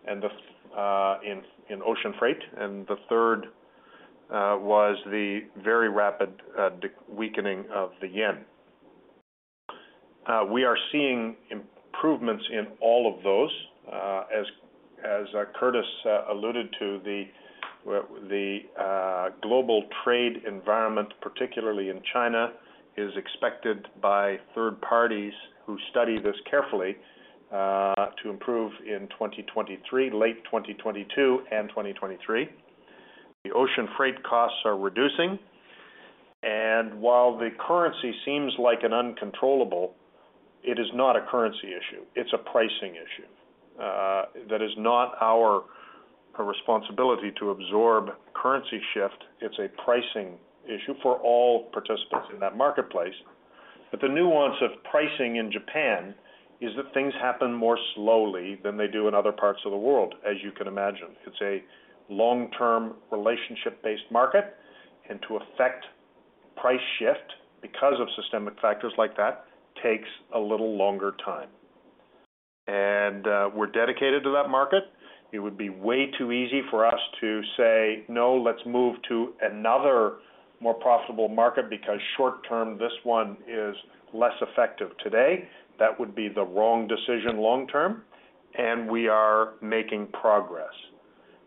and the increase in ocean freight. The third was the very rapid weakening of the yen. We are seeing improvements in all of those. As Curtis alluded to, the global trade environment, particularly in China, is expected by third parties who study this carefully to improve in 2023, late 2022 and 2023. The ocean freight costs are reducing, and while the currency seems like an uncontrollable, it is not a currency issue, it's a pricing issue. That is not our responsibility to absorb currency shift. It's a pricing issue for all participants in that marketplace. The nuance of pricing in Japan is that things happen more slowly than they do in other parts of the world, as you can imagine. It's a long-term relationship based market, and to affect price shift because of systemic factors like that takes a little longer time. We're dedicated to that market. It would be way too easy for us to say, "No, let's move to another more profitable market because short term, this one is less effective today." That would be the wrong decision long term, and we are making progress.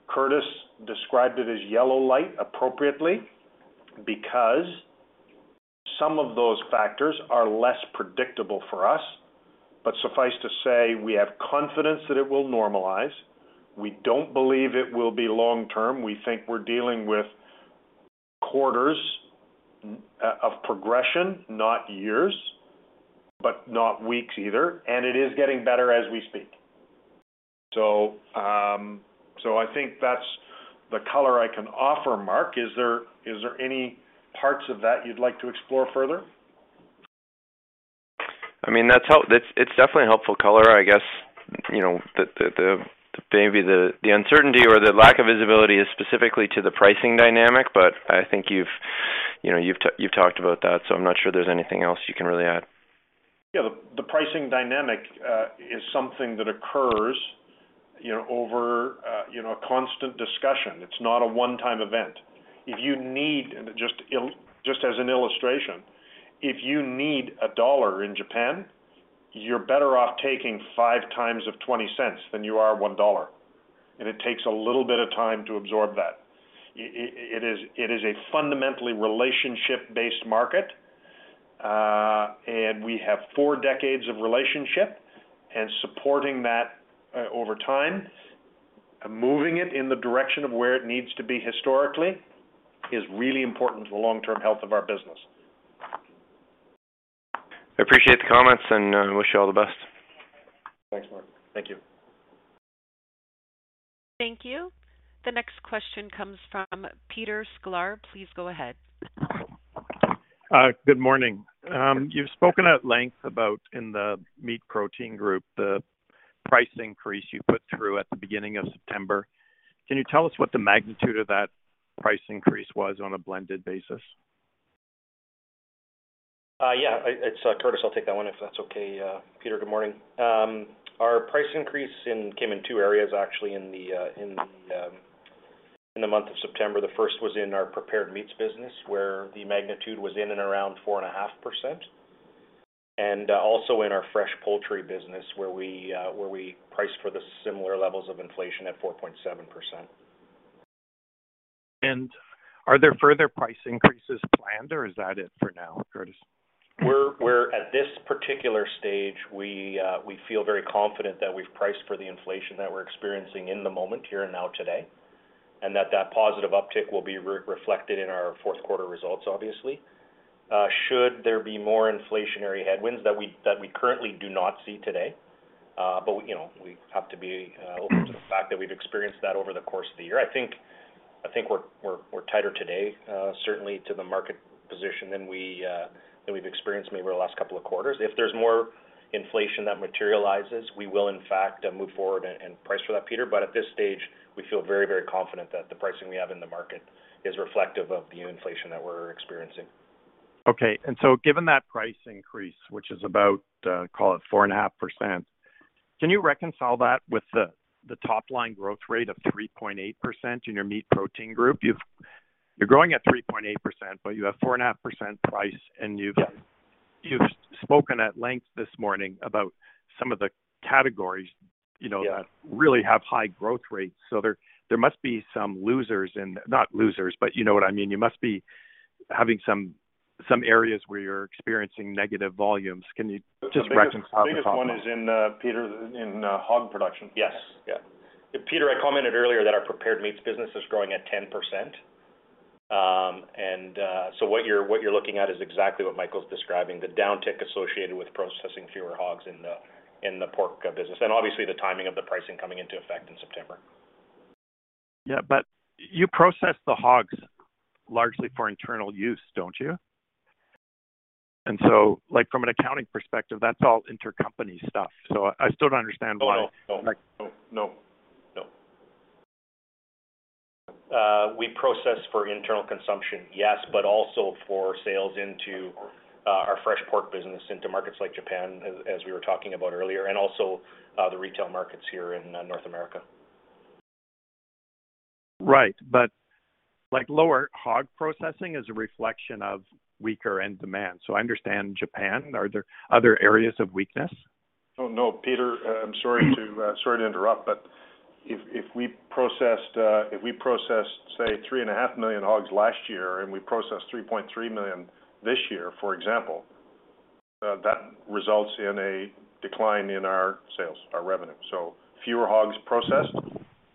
Curtis described it as yellow light appropriately because some of those factors are less predictable for us. Suffice to say, we have confidence that it will normalize. We don't believe it will be long term. We think we're dealing with quarters of progression, not years, but not weeks either. It is getting better as we speak. I think that's the color I can offer. Mark, is there any parts of that you'd like to explore further? I mean, it's definitely a helpful color. I guess, you know, maybe the uncertainty or the lack of visibility is specifically to the pricing dynamic. I think you know, you've talked about that, so I'm not sure there's anything else you can really add. Yeah. The pricing dynamic is something that occurs, you know, over a constant discussion. It's not a one-time event. Just as an illustration, if you need $1 in Japan, you're better off taking 5 times of $0.20 than you are $1. It takes a little bit of time to absorb that. It is a fundamentally relationship based market, and we have 4 decades of relationship and supporting that, over time, moving it in the direction of where it needs to be historically is really important to the long-term health of our business. I appreciate the comments and wish you all the best. Thanks, Mark. Thank you. Thank you. The next question comes from Peter Sklar. Please go ahead. Good morning. You've spoken at length about the meat protein group, the price increase you put through at the beginning of September. Can you tell us what the magnitude of that price increase was on a blended basis? It's Curtis. I'll take that one if that's okay. Peter, good morning. Our price increase came in two areas, actually in the month of September. The first was in our prepared meats business, where the magnitude was in and around 4.5%, and also in our fresh poultry business where we priced for the similar levels of inflation at 4.7%. Are there further price increases planned or is that it for now, Curtis? We're at this particular stage. We feel very confident that we've priced for the inflation that we're experiencing in the moment here and now today, and that positive uptick will be re-reflected in our fourth quarter results, obviously. Should there be more inflationary headwinds that we currently do not see today? We have to be, you know, open to the fact that we've experienced that over the course of the year. I think we're tighter today, certainly to the market position than we've experienced maybe over the last couple of quarters. If there's more inflation that materializes, we will in fact move forward and price for that, Peter. At this stage, we feel very, very confident that the pricing we have in the market is reflective of the inflation that we're experiencing. Okay. Given that price increase, which is about, call it 4.5%, can you reconcile that with the top line growth rate of 3.8% in your meat protein group? You're growing at 3.8%, but you have 4.5% price, and you've- Yes. You've spoken at length this morning about some of the categories, you know. Yeah. That really have high growth rates. There must be some losers in. Not losers, but you know what I mean. You must be having some areas where you're experiencing negative volumes. Can you just reconcile the top line? The biggest one is, Peter, in hog production. Yes. Yeah. Peter, I commented earlier that our prepared meats business is growing at 10%. What you're looking at is exactly what Michael's describing, the downtick associated with processing fewer hogs in the pork business, and obviously the timing of the pricing coming into effect in September. Yeah, but you process the hogs largely for internal use, don't you? Like, from an accounting perspective, that's all intercompany stuff. I still don't understand why. Oh, no. We process for internal consumption, yes, but also for sales into our fresh pork business into markets like Japan, as we were talking about earlier, and also the retail markets here in North America. Right. Like, lower hog processing is a reflection of weaker end demand. I understand Japan. Are there other areas of weakness? Oh, no, Peter, I'm sorry to interrupt, but if we processed, say, 3.5 million hogs last year and we processed 3.3 million this year, for example, that results in a decline in our sales, our revenue. Fewer hogs processed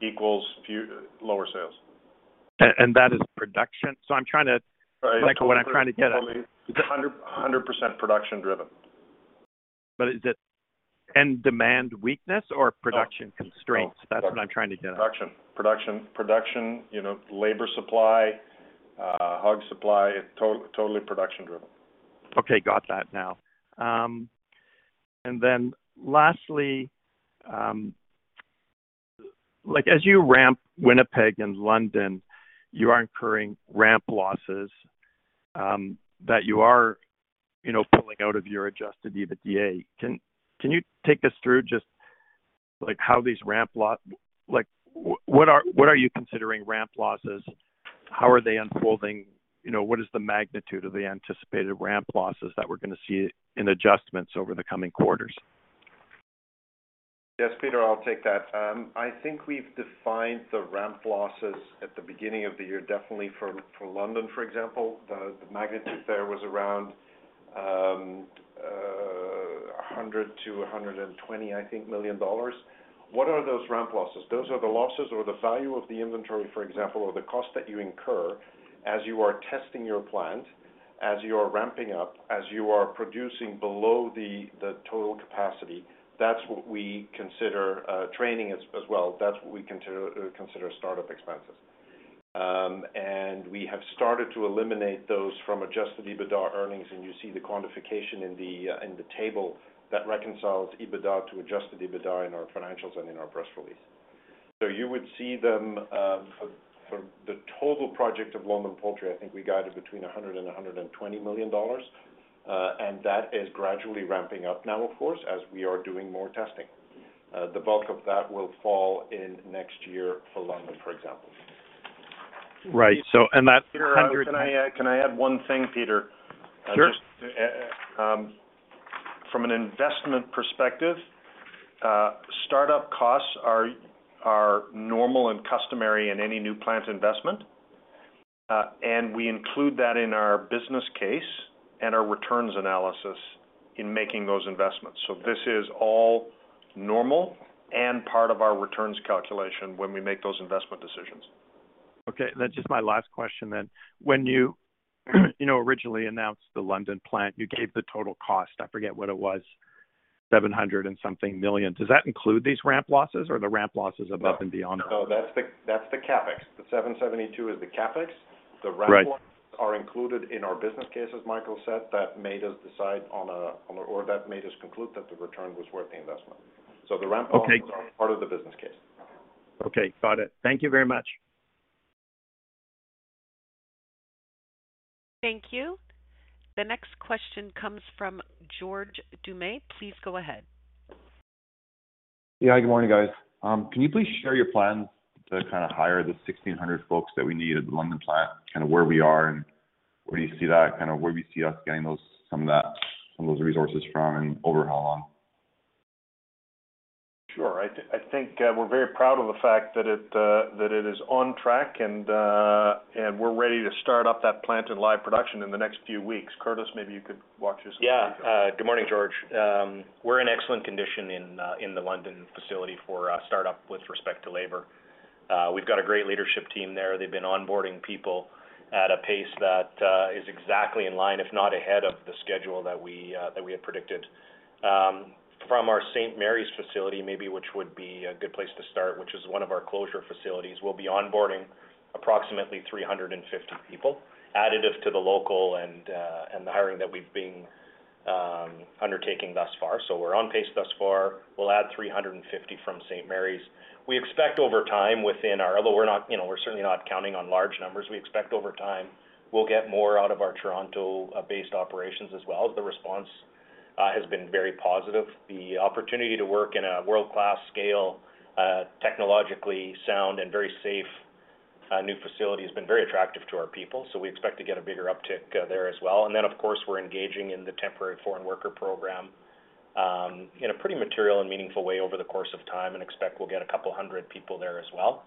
equals lower sales. That is production. I'm trying to get at. It's 100% production driven. Is it end demand weakness or production constraints? No. That's what I'm trying to get at. Production, you know, labor supply, hog supply, it's totally production driven. Okay. Got that now. Lastly, like, as you ramp Winnipeg and London, you are incurring ramp losses that you are, you know, pulling out of your Adjusted EBITDA. Can you take us through just, like, how these ramp losses? Like, what are you considering ramp losses? How are they unfolding? You know, what is the magnitude of the anticipated ramp losses that we're gonna see in adjustments over the coming quarters? Yes, Peter, I'll take that. I think we've defined the ramp losses at the beginning of the year, definitely for London, for example. The magnitude there was around 100 million-120 million, I think. What are those ramp losses? Those are the losses or the value of the inventory, for example, or the cost that you incur as you are testing your plant, as you are ramping up, as you are producing below the total capacity. That's what we consider training as well. That's what we consider startup expenses. We have started to eliminate those from adjusted EBITDA earnings, and you see the quantification in the table that reconciles EBITDA to adjusted EBITDA in our financials and in our press release. You would see them, for the total project of London Poultry, I think we guided between 100 million and 120 million dollars, and that is gradually ramping up now, of course, as we are doing more testing. The bulk of that will fall in next year for London, for example. Right. Peter, can I add one thing, Peter? Sure. From an investment perspective, startup costs are normal and customary in any new plant investment, and we include that in our business case and our returns analysis in making those investments. This is all normal and part of our returns calculation when we make those investment decisions. Okay. That's just my last question then. When you know, originally announced the London plant, you gave the total cost. I forget what it was, 700-something million. Does that include these ramp losses or are the ramp losses above and beyond that? No. That's the CapEx. The 772 is the CapEx. Right. The ramp losses are included in our business case, as Michael said. That made us conclude that the return was worth the investment. Okay. The ramp losses are part of the business case. Okay. Got it. Thank you very much. Thank you. The next question comes from George Doumet. Please go ahead. Yeah. Good morning, guys. Can you please share your plans to kinda hire the 1,600 folks that we need at the London plant, kinda where we are and where do you see that, kinda where do you see us getting those, some of that, some of those resources from and over how long? Sure. I think we're very proud of the fact that it is on track and we're ready to start up that plant in live production in the next few weeks. Curtis, maybe you could walk us through that. Yeah. Good morning, George. We're in excellent condition in the London facility for startup with respect to labor. We've got a great leadership team there. They've been onboarding people at a pace that is exactly in line, if not ahead of the schedule that we had predicted. From our St. Mary's facility, maybe which would be a good place to start, which is one of our closure facilities, we'll be onboarding approximately 350 people, additive to the local and the hiring that we've been undertaking thus far. We're on pace thus far. We'll add 350 from St. Mary's. We expect over time, although we're not, you know, we're certainly not counting on large numbers. We expect over time we'll get more out of our Toronto based operations as well. The response has been very positive. The opportunity to work in a world-class scale technologically sound and very safe new facility has been very attractive to our people, so we expect to get a bigger uptick there as well. Of course, we're engaging in the temporary foreign worker program in a pretty material and meaningful way over the course of time and expect we'll get a couple hundred people there as well.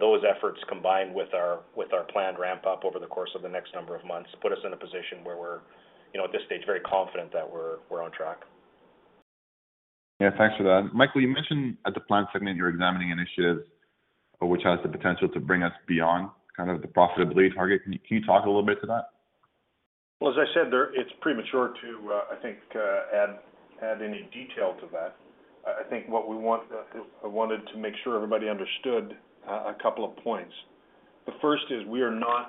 Those efforts, combined with our planned ramp up over the course of the next number of months, put us in a position where we're you know at this stage very confident that we're on track. Yeah, thanks for that. Michael, you mentioned at the plant segment you're examining initiatives which has the potential to bring us beyond kind of the profitability target. Can you talk a little bit to that? Well, as I said there, it's premature to, I think, add any detail to that. I think what we want is I wanted to make sure everybody understood a couple of points. The first is we are not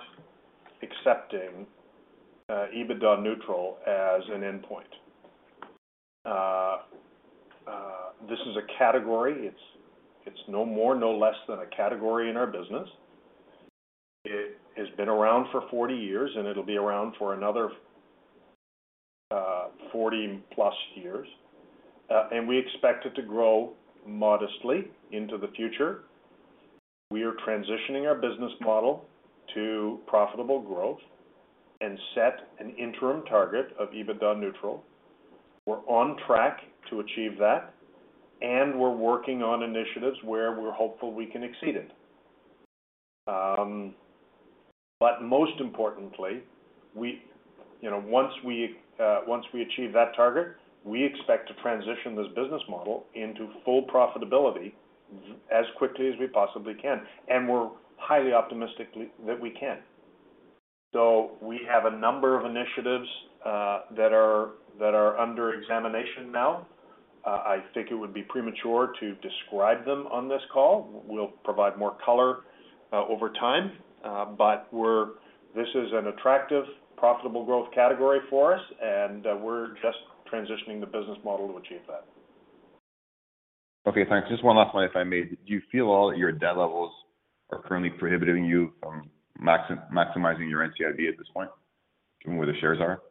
accepting EBITDA neutral as an endpoint. This is a category. It's no more, no less than a category in our business. It has been around for 40 years, and it'll be around for another 40-plus years. We expect it to grow modestly into the future. We are transitioning our business model to profitable growth and set an interim target of EBITDA neutral. We're on track to achieve that, and we're working on initiatives where we're hopeful we can exceed it. Most importantly, we, you know, once we achieve that target, we expect to transition this business model into full profitability as quickly as we possibly can, and we're highly optimistic that we can. We have a number of initiatives that are under examination now. I think it would be premature to describe them on this call. We'll provide more color over time, but this is an attractive, profitable growth category for us, and we're just transitioning the business model to achieve that. Okay, thanks. Just one last one, if I may. Do you feel at all that your debt levels are currently prohibiting you from maximizing your NCIB at this point, given where the shares are?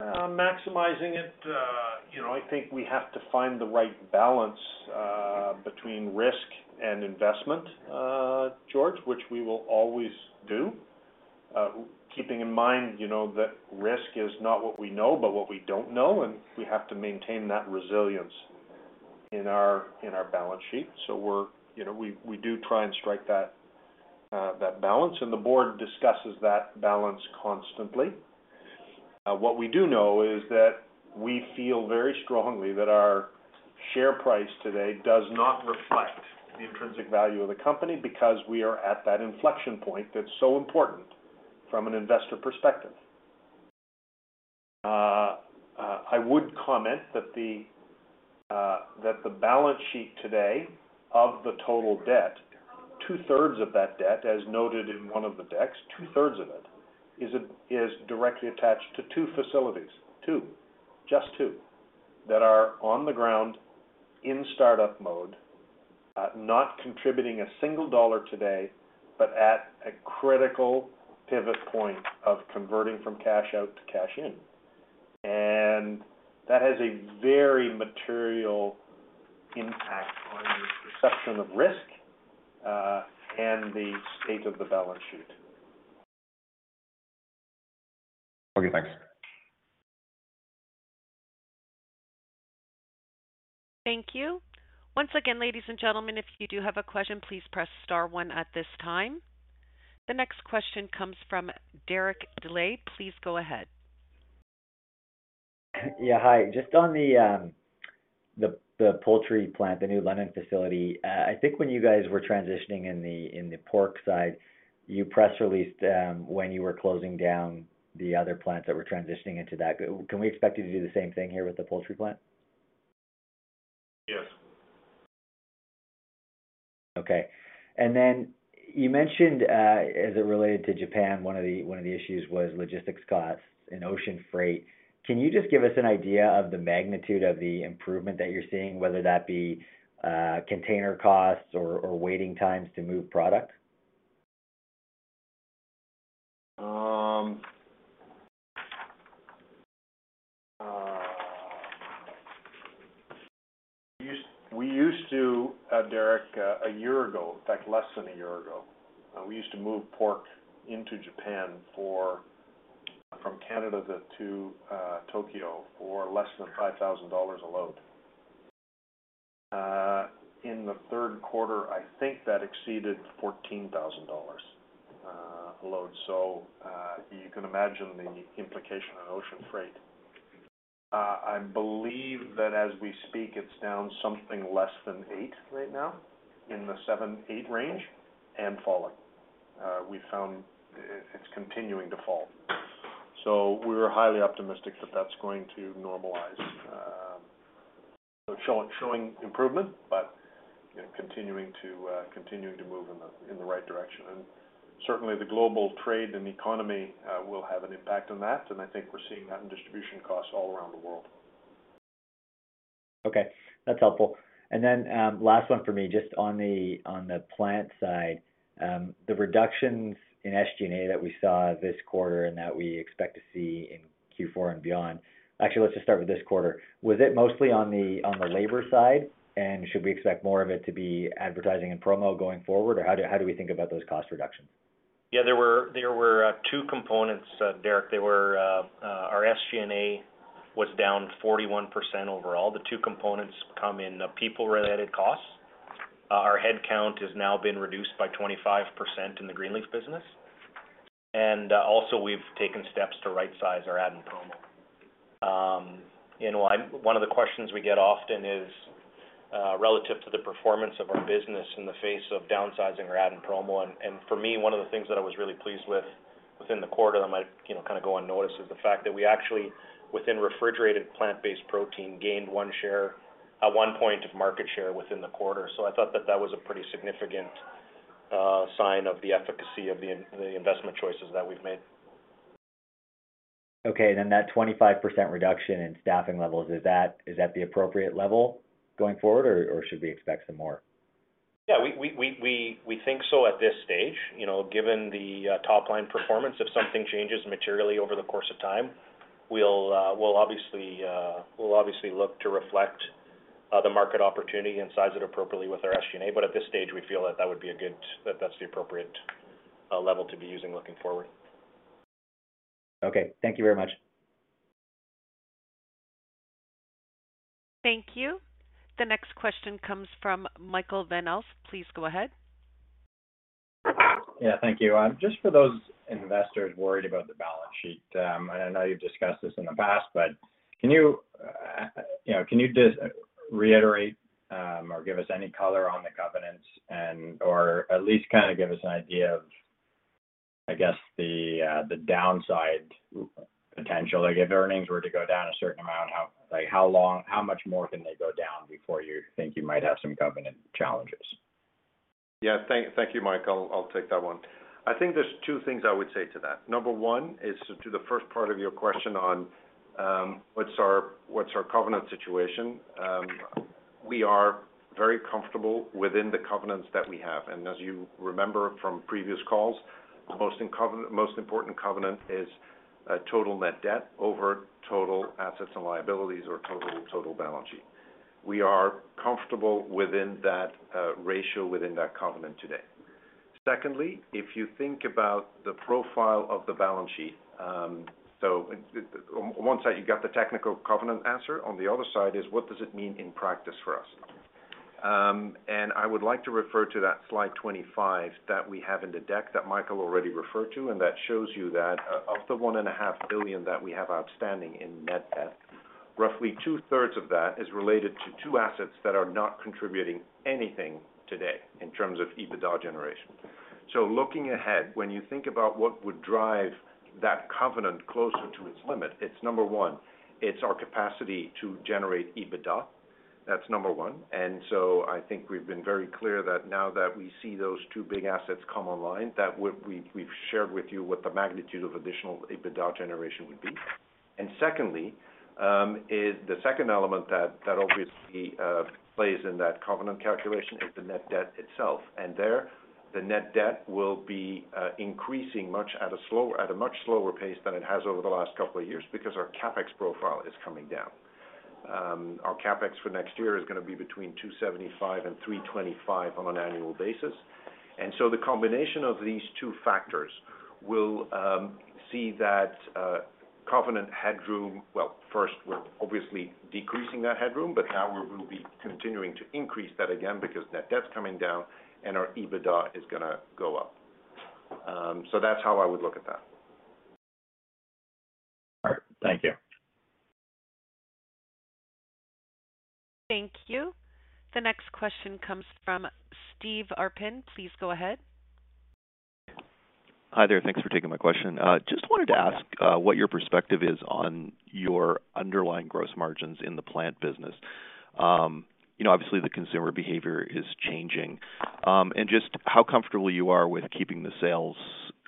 Maximizing it, you know, I think we have to find the right balance between risk and investment, George, which we will always do. Keeping in mind, you know, that risk is not what we know, but what we don't know, and we have to maintain that resilience in our balance sheet. We're, you know, we do try and strike that balance, and the board discusses that balance constantly. What we do know is that we feel very strongly that our share price today does not reflect the intrinsic value of the company because we are at that inflection point that's so important from an investor perspective. I would comment that the balance sheet today of the total debt, two-thirds of that debt, as noted in one of the decks, two-thirds of it is directly attached to two facilities. Just two that are on the ground in startup mode, not contributing a single dollar today, but at a critical pivot point of converting from cash out to cash in. That has a very material impact on the perception of risk, and the state of the balance sheet. Okay, thanks. Thank you. Once again, ladies and gentlemen, if you do have a question, please press star one at this time. The next question comes from Derek Dley. Please go ahead. Yeah, hi. Just on the poultry plant, the New London facility, I think when you guys were transitioning in the pork side, you press released when you were closing down the other plants that were transitioning into that. Can we expect you to do the same thing here with the poultry plant? Yes. Okay. Then you mentioned, as it related to Japan, one of the issues was logistics costs and ocean freight. Can you just give us an idea of the magnitude of the improvement that you're seeing, whether that be, container costs or waiting times to move product? Derek, a year ago, in fact, less than a year ago, we used to move pork into Japan from Canada to Tokyo for less than $5,000 a load. In the third quarter, I think that exceeded $14,000 a load. You can imagine the implication on ocean freight. I believe that as we speak, it's down something less than $8,000 right now, in the $7,000-$8,000 range and falling. We found it's continuing to fall. We're highly optimistic that that's going to normalize. Showing improvement, but continuing to move in the right direction. Certainly the global trade and the economy will have an impact on that. I think we're seeing that in distribution costs all around the world. Okay, that's helpful. Last one for me, just on the plant side, the reductions in SG&A that we saw this quarter and that we expect to see in Q4 and beyond. Actually, let's just start with this quarter. Was it mostly on the labor side, and should we expect more of it to be advertising and promo going forward? Or how do we think about those cost reductions? Yeah, there were two components, Derek. There were our SG&A was down 41% overall. The two components come in people-related costs. Our headcount has now been reduced by 25% in the Greenleaf business. Also we've taken steps to rightsize our ad and promo. You know, one of the questions we get often is relative to the performance of our business in the face of downsizing our ad and promo. For me, one of the things that I was really pleased with within the quarter that might, you know, kind of go unnoticed is the fact that we actually, within refrigerated plant-based protein, gained one point of market share within the quarter. I thought that was a pretty significant sign of the efficacy of the investment choices that we've made. Okay. That 25% reduction in staffing levels, is that the appropriate level going forward or should we expect some more? Yeah, we think so at this stage. You know, given the top line performance, if something changes materially over the course of time, we'll obviously look to reflect the market opportunity and size it appropriately with our SG&A. At this stage, we feel that that's the appropriate level to be using looking forward. Okay. Thank you very much. Thank you. The next question comes from Michael Van Aelst. Please go ahead. Yeah, thank you. Just for those investors worried about the balance sheet, and I know you've discussed this in the past, but can you know, can you just reiterate or give us any color on the covenants and/or at least kind of give us an idea of, I guess, the downside potential? Like, if earnings were to go down a certain amount, how, like, how long, how much more can they go down before you think you might have some covenant challenges? Yeah. Thank you, Mike. I'll take that one. I think there's two things I would say to that. Number one is to the first part of your question on what's our covenant situation. We are very comfortable within the covenants that we have. As you remember from previous calls, the most important covenant is total net debt over total assets and liabilities or total balance sheet. We are comfortable within that ratio within that covenant today. Secondly, if you think about the profile of the balance sheet, on one side, you got the technical covenant answer. On the other side is what does it mean in practice for us? I would like to refer to that slide 25 that we have in the deck that Michael already referred to, and that shows you that of the 1.5 billion that we have outstanding in net debt, roughly two-thirds of that is related to two assets that are not contributing anything today in terms of EBITDA generation. Looking ahead, when you think about what would drive that covenant closer to its limit, it's number one, it's our capacity to generate EBITDA. That's number one. I think we've been very clear that now that we see those two big assets come online, that we've shared with you what the magnitude of additional EBITDA generation would be. And secondly, is the second element that obviously plays in that covenant calculation is the net debt itself. There, the net debt will be increasing at a much slower pace than it has over the last couple of years because our CapEx profile is coming down. Our CapEx for next year is gonna be between 275 and 325 on an annual basis. The combination of these two factors will see that covenant headroom. Well, first, we're obviously decreasing that headroom, but now we will be continuing to increase that again because net debt's coming down and our EBITDA is gonna go up. That's how I would look at that. All right. Thank you. Thank you. The next question comes from Vishal Shreedhar. Please go ahead. Hi there. Thanks for taking my question. Just wanted to ask what your perspective is on your underlying gross margins in the plant business. You know, obviously, the consumer behavior is changing, and just how comfortable you are with keeping the sales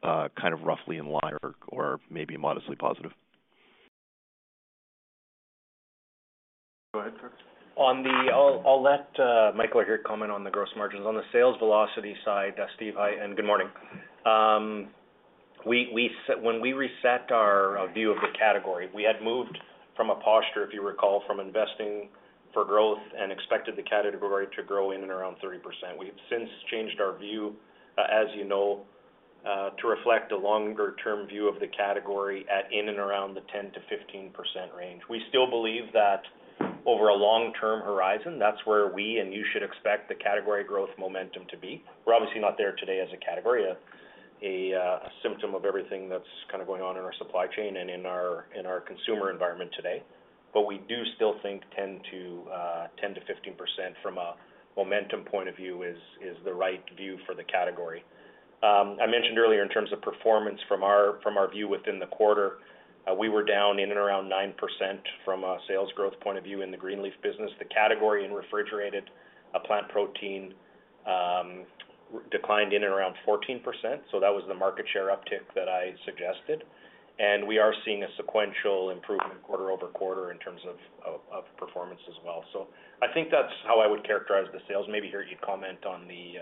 kind of roughly in line or maybe modestly positive. Go ahead, Curtis. I'll let Michael here comment on the gross margins. On the sales velocity side, Vishal Shreedhar, hi, and good morning. When we reset our view of the category, we had moved from a posture, if you recall, from investing for growth and expected the category to grow in and around 30%. We have since changed our view, as you know, to reflect a longer-term view of the category in and around the 10%-15% range. We still believe that over a long-term horizon, that's where we and you should expect the category growth momentum to be. We're obviously not there today as a category, a symptom of everything that's kind of going on in our supply chain and in our consumer environment today. We do still think 10%-15% from a momentum point of view is the right view for the category. I mentioned earlier in terms of performance from our view within the quarter, we were down in and around 9% from a sales growth point of view in the Greenleaf Foods business. The category in refrigerated plant protein declined in and around 14%. That was the market share uptick that I suggested. We are seeing a sequential improvement quarter-over-quarter in terms of performance as well. I think that's how I would characterize the sales. Maybe, Geert, you'd comment on the,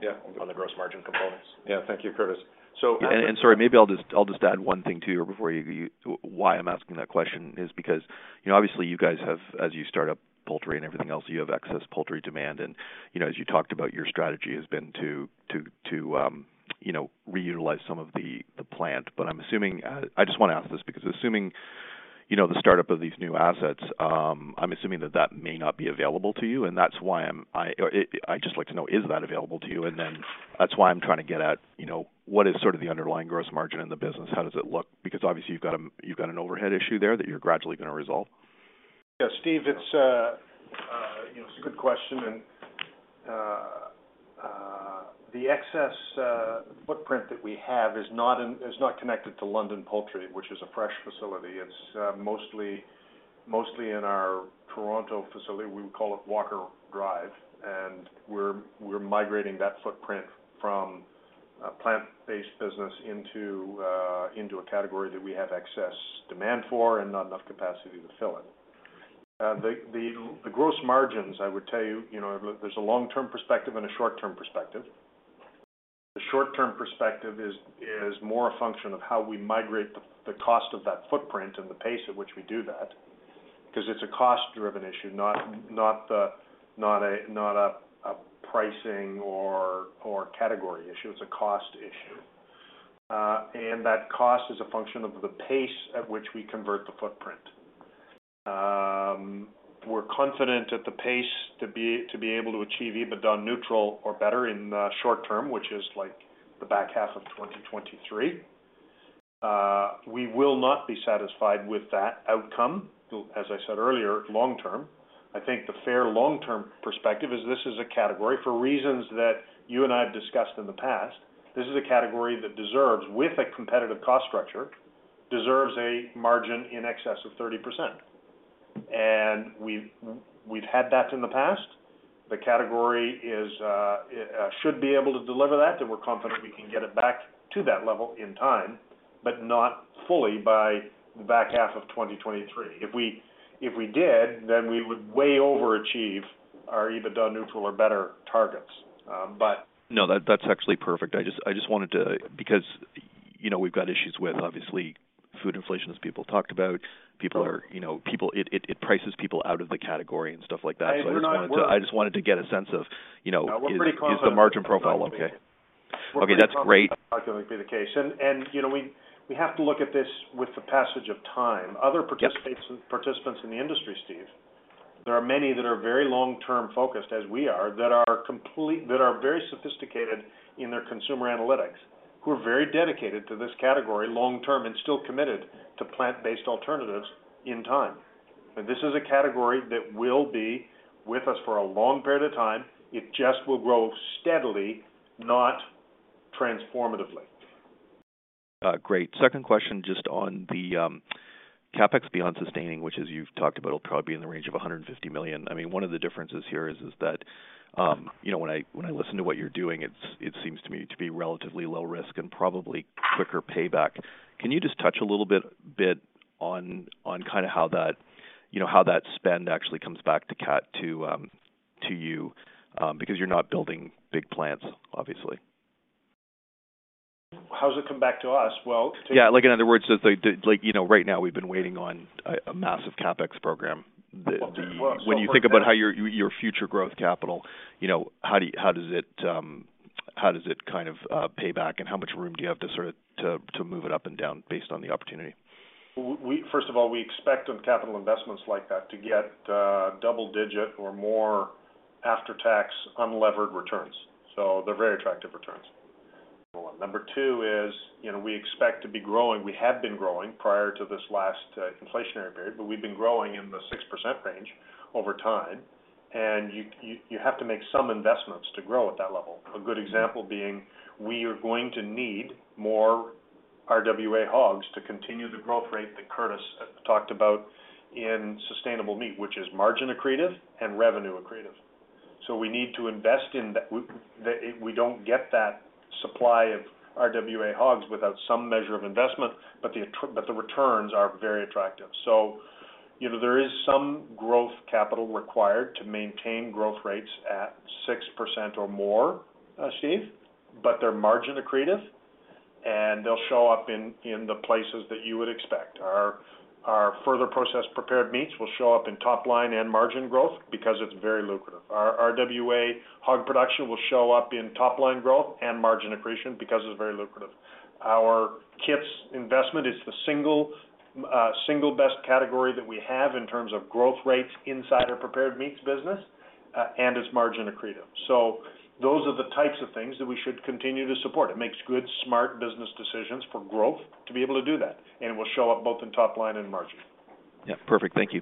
Yeah. On the gross margin components. Yeah. Thank you, Curtis. Sorry, maybe I'll just add one thing, too, before you explain why I'm asking that question is because, you know, obviously you guys have, as you start up poultry and everything else, you have excess poultry demand. You know, as you talked about your strategy has been to, you know, reutilize some of the plant. But I'm assuming I just want to ask this because assuming, you know, the start up of these new assets, I'm assuming that that may not be available to you, and that's why I'm I'd just like to know, is that available to you? Then that's why I'm trying to get at, you know, what is sort of the underlying gross margin in the business? How does it look? Because obviously you've got an overhead issue there that you're gradually gonna resolve. Yeah, Steve, it's you know it's a good question. The excess footprint that we have is not connected to London Poultry, which is a fresh facility. It's mostly in our Toronto facility. We call it Walker Drive. We're migrating that footprint from a plant-based business into a category that we have excess demand for and not enough capacity to fill it. The gross margins, I would tell you know, there's a long-term perspective and a short-term perspective. The short-term perspective is more a function of how we migrate the cost of that footprint and the pace at which we do that, because it's a cost-driven issue, not a pricing or category issue. It's a cost issue. That cost is a function of the pace at which we convert the footprint. We're confident in the pace to be able to achieve EBITDA neutral or better in the short term, which is like the back half of 2023. We will not be satisfied with that outcome, as I said earlier, long term. I think the fair long-term perspective is this is a category for reasons that you and I have discussed in the past. This is a category that deserves, with a competitive cost structure, deserves a margin in excess of 30%. We've had that in the past. The category should be able to deliver that, and we're confident we can get it back to that level in time, but not fully by the back half of 2023. If we did, then we would way overachieve our EBITDA neutral or better targets. No, that's actually perfect. I just wanted to, because, you know, we've got issues with obviously food inflation, as people talked about. People are, you know, it prices people out of the category and stuff like that. We're not worried. I just wanted to get a sense of, you know. No, we're pretty confident. Is the margin profile okay? Okay, that's great. That's going to be the case. You know, we have to look at this with the passage of time. Yep. Other participants in the industry, Vishal Shreedhar, there are many that are very long-term focused, as we are, that are very sophisticated in their consumer analytics, who are very dedicated to this category long term and still committed to plant-based alternatives in time. This is a category that will be with us for a long period of time. It just will grow steadily, not transformatively. Great. Second question, just on the CapEx beyond sustaining, which as you've talked about, will probably be in the range of 150 million. I mean, one of the differences here is that you know, when I listen to what you're doing, it seems to me to be relatively low risk and probably quicker payback. Can you just touch a little bit on kind of how that you know, how that spend actually comes back to you because you're not building big plants, obviously. How does it come back to us? Well. Yeah. Like, in other words, like, you know, right now we've been waiting on a massive CapEx program. Well, just work. When you think about how your future growth capital, you know, how does it kind of pay back? How much room do you have to sort of to move it up and down based on the opportunity? First of all, we expect on capital investments like that to get double-digit or more after-tax unlevered returns. So they're very attractive returns. Number two is, you know, we expect to be growing, we have been growing prior to this last inflationary period, but we've been growing in the 6% range over time. You have to make some investments to grow at that level. A good example being, we are going to need more RWA hogs to continue the growth rate that Curtis talked about in sustainable meat, which is margin accretive and revenue accretive. So we need to invest in that. We don't get that supply of RWA hogs without some measure of investment, but the returns are very attractive. You know, there is some growth capital required to maintain growth rates at 6% or more, Steve, but they're margin accretive, and they'll show up in the places that you would expect. Our further processed prepared meats will show up in top line and margin growth because it's very lucrative. Our RWA hog production will show up in top line growth and margin accretion because it's very lucrative. Our Kits investment is the single best category that we have in terms of growth rates inside our prepared meats business, and it's margin accretive. Those are the types of things that we should continue to support. It makes good, smart business decisions for growth to be able to do that. It will show up both in top line and margin. Yeah. Perfect. Thank you.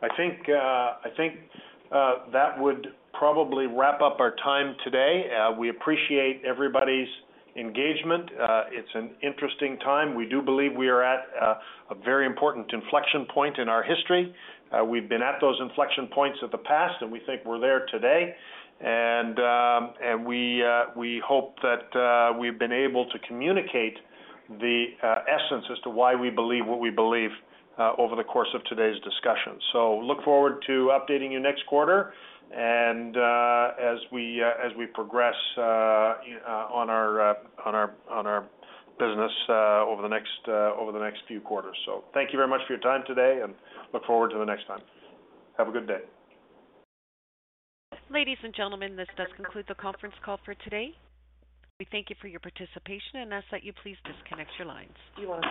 I think that would probably wrap up our time today. We appreciate everybody's engagement. It's an interesting time. We do believe we are at a very important inflection point in our history. We've been at those inflection points of the past, and we think we're there today. We hope that we've been able to communicate the essence as to why we believe what we believe over the course of today's discussion. Look forward to updating you next quarter and as we progress on our business over the next few quarters. Thank you very much for your time today and look forward to the next time. Have a good day. Ladies and gentlemen, this does conclude the conference call for today. We thank you for your participation and ask that you please disconnect your lines.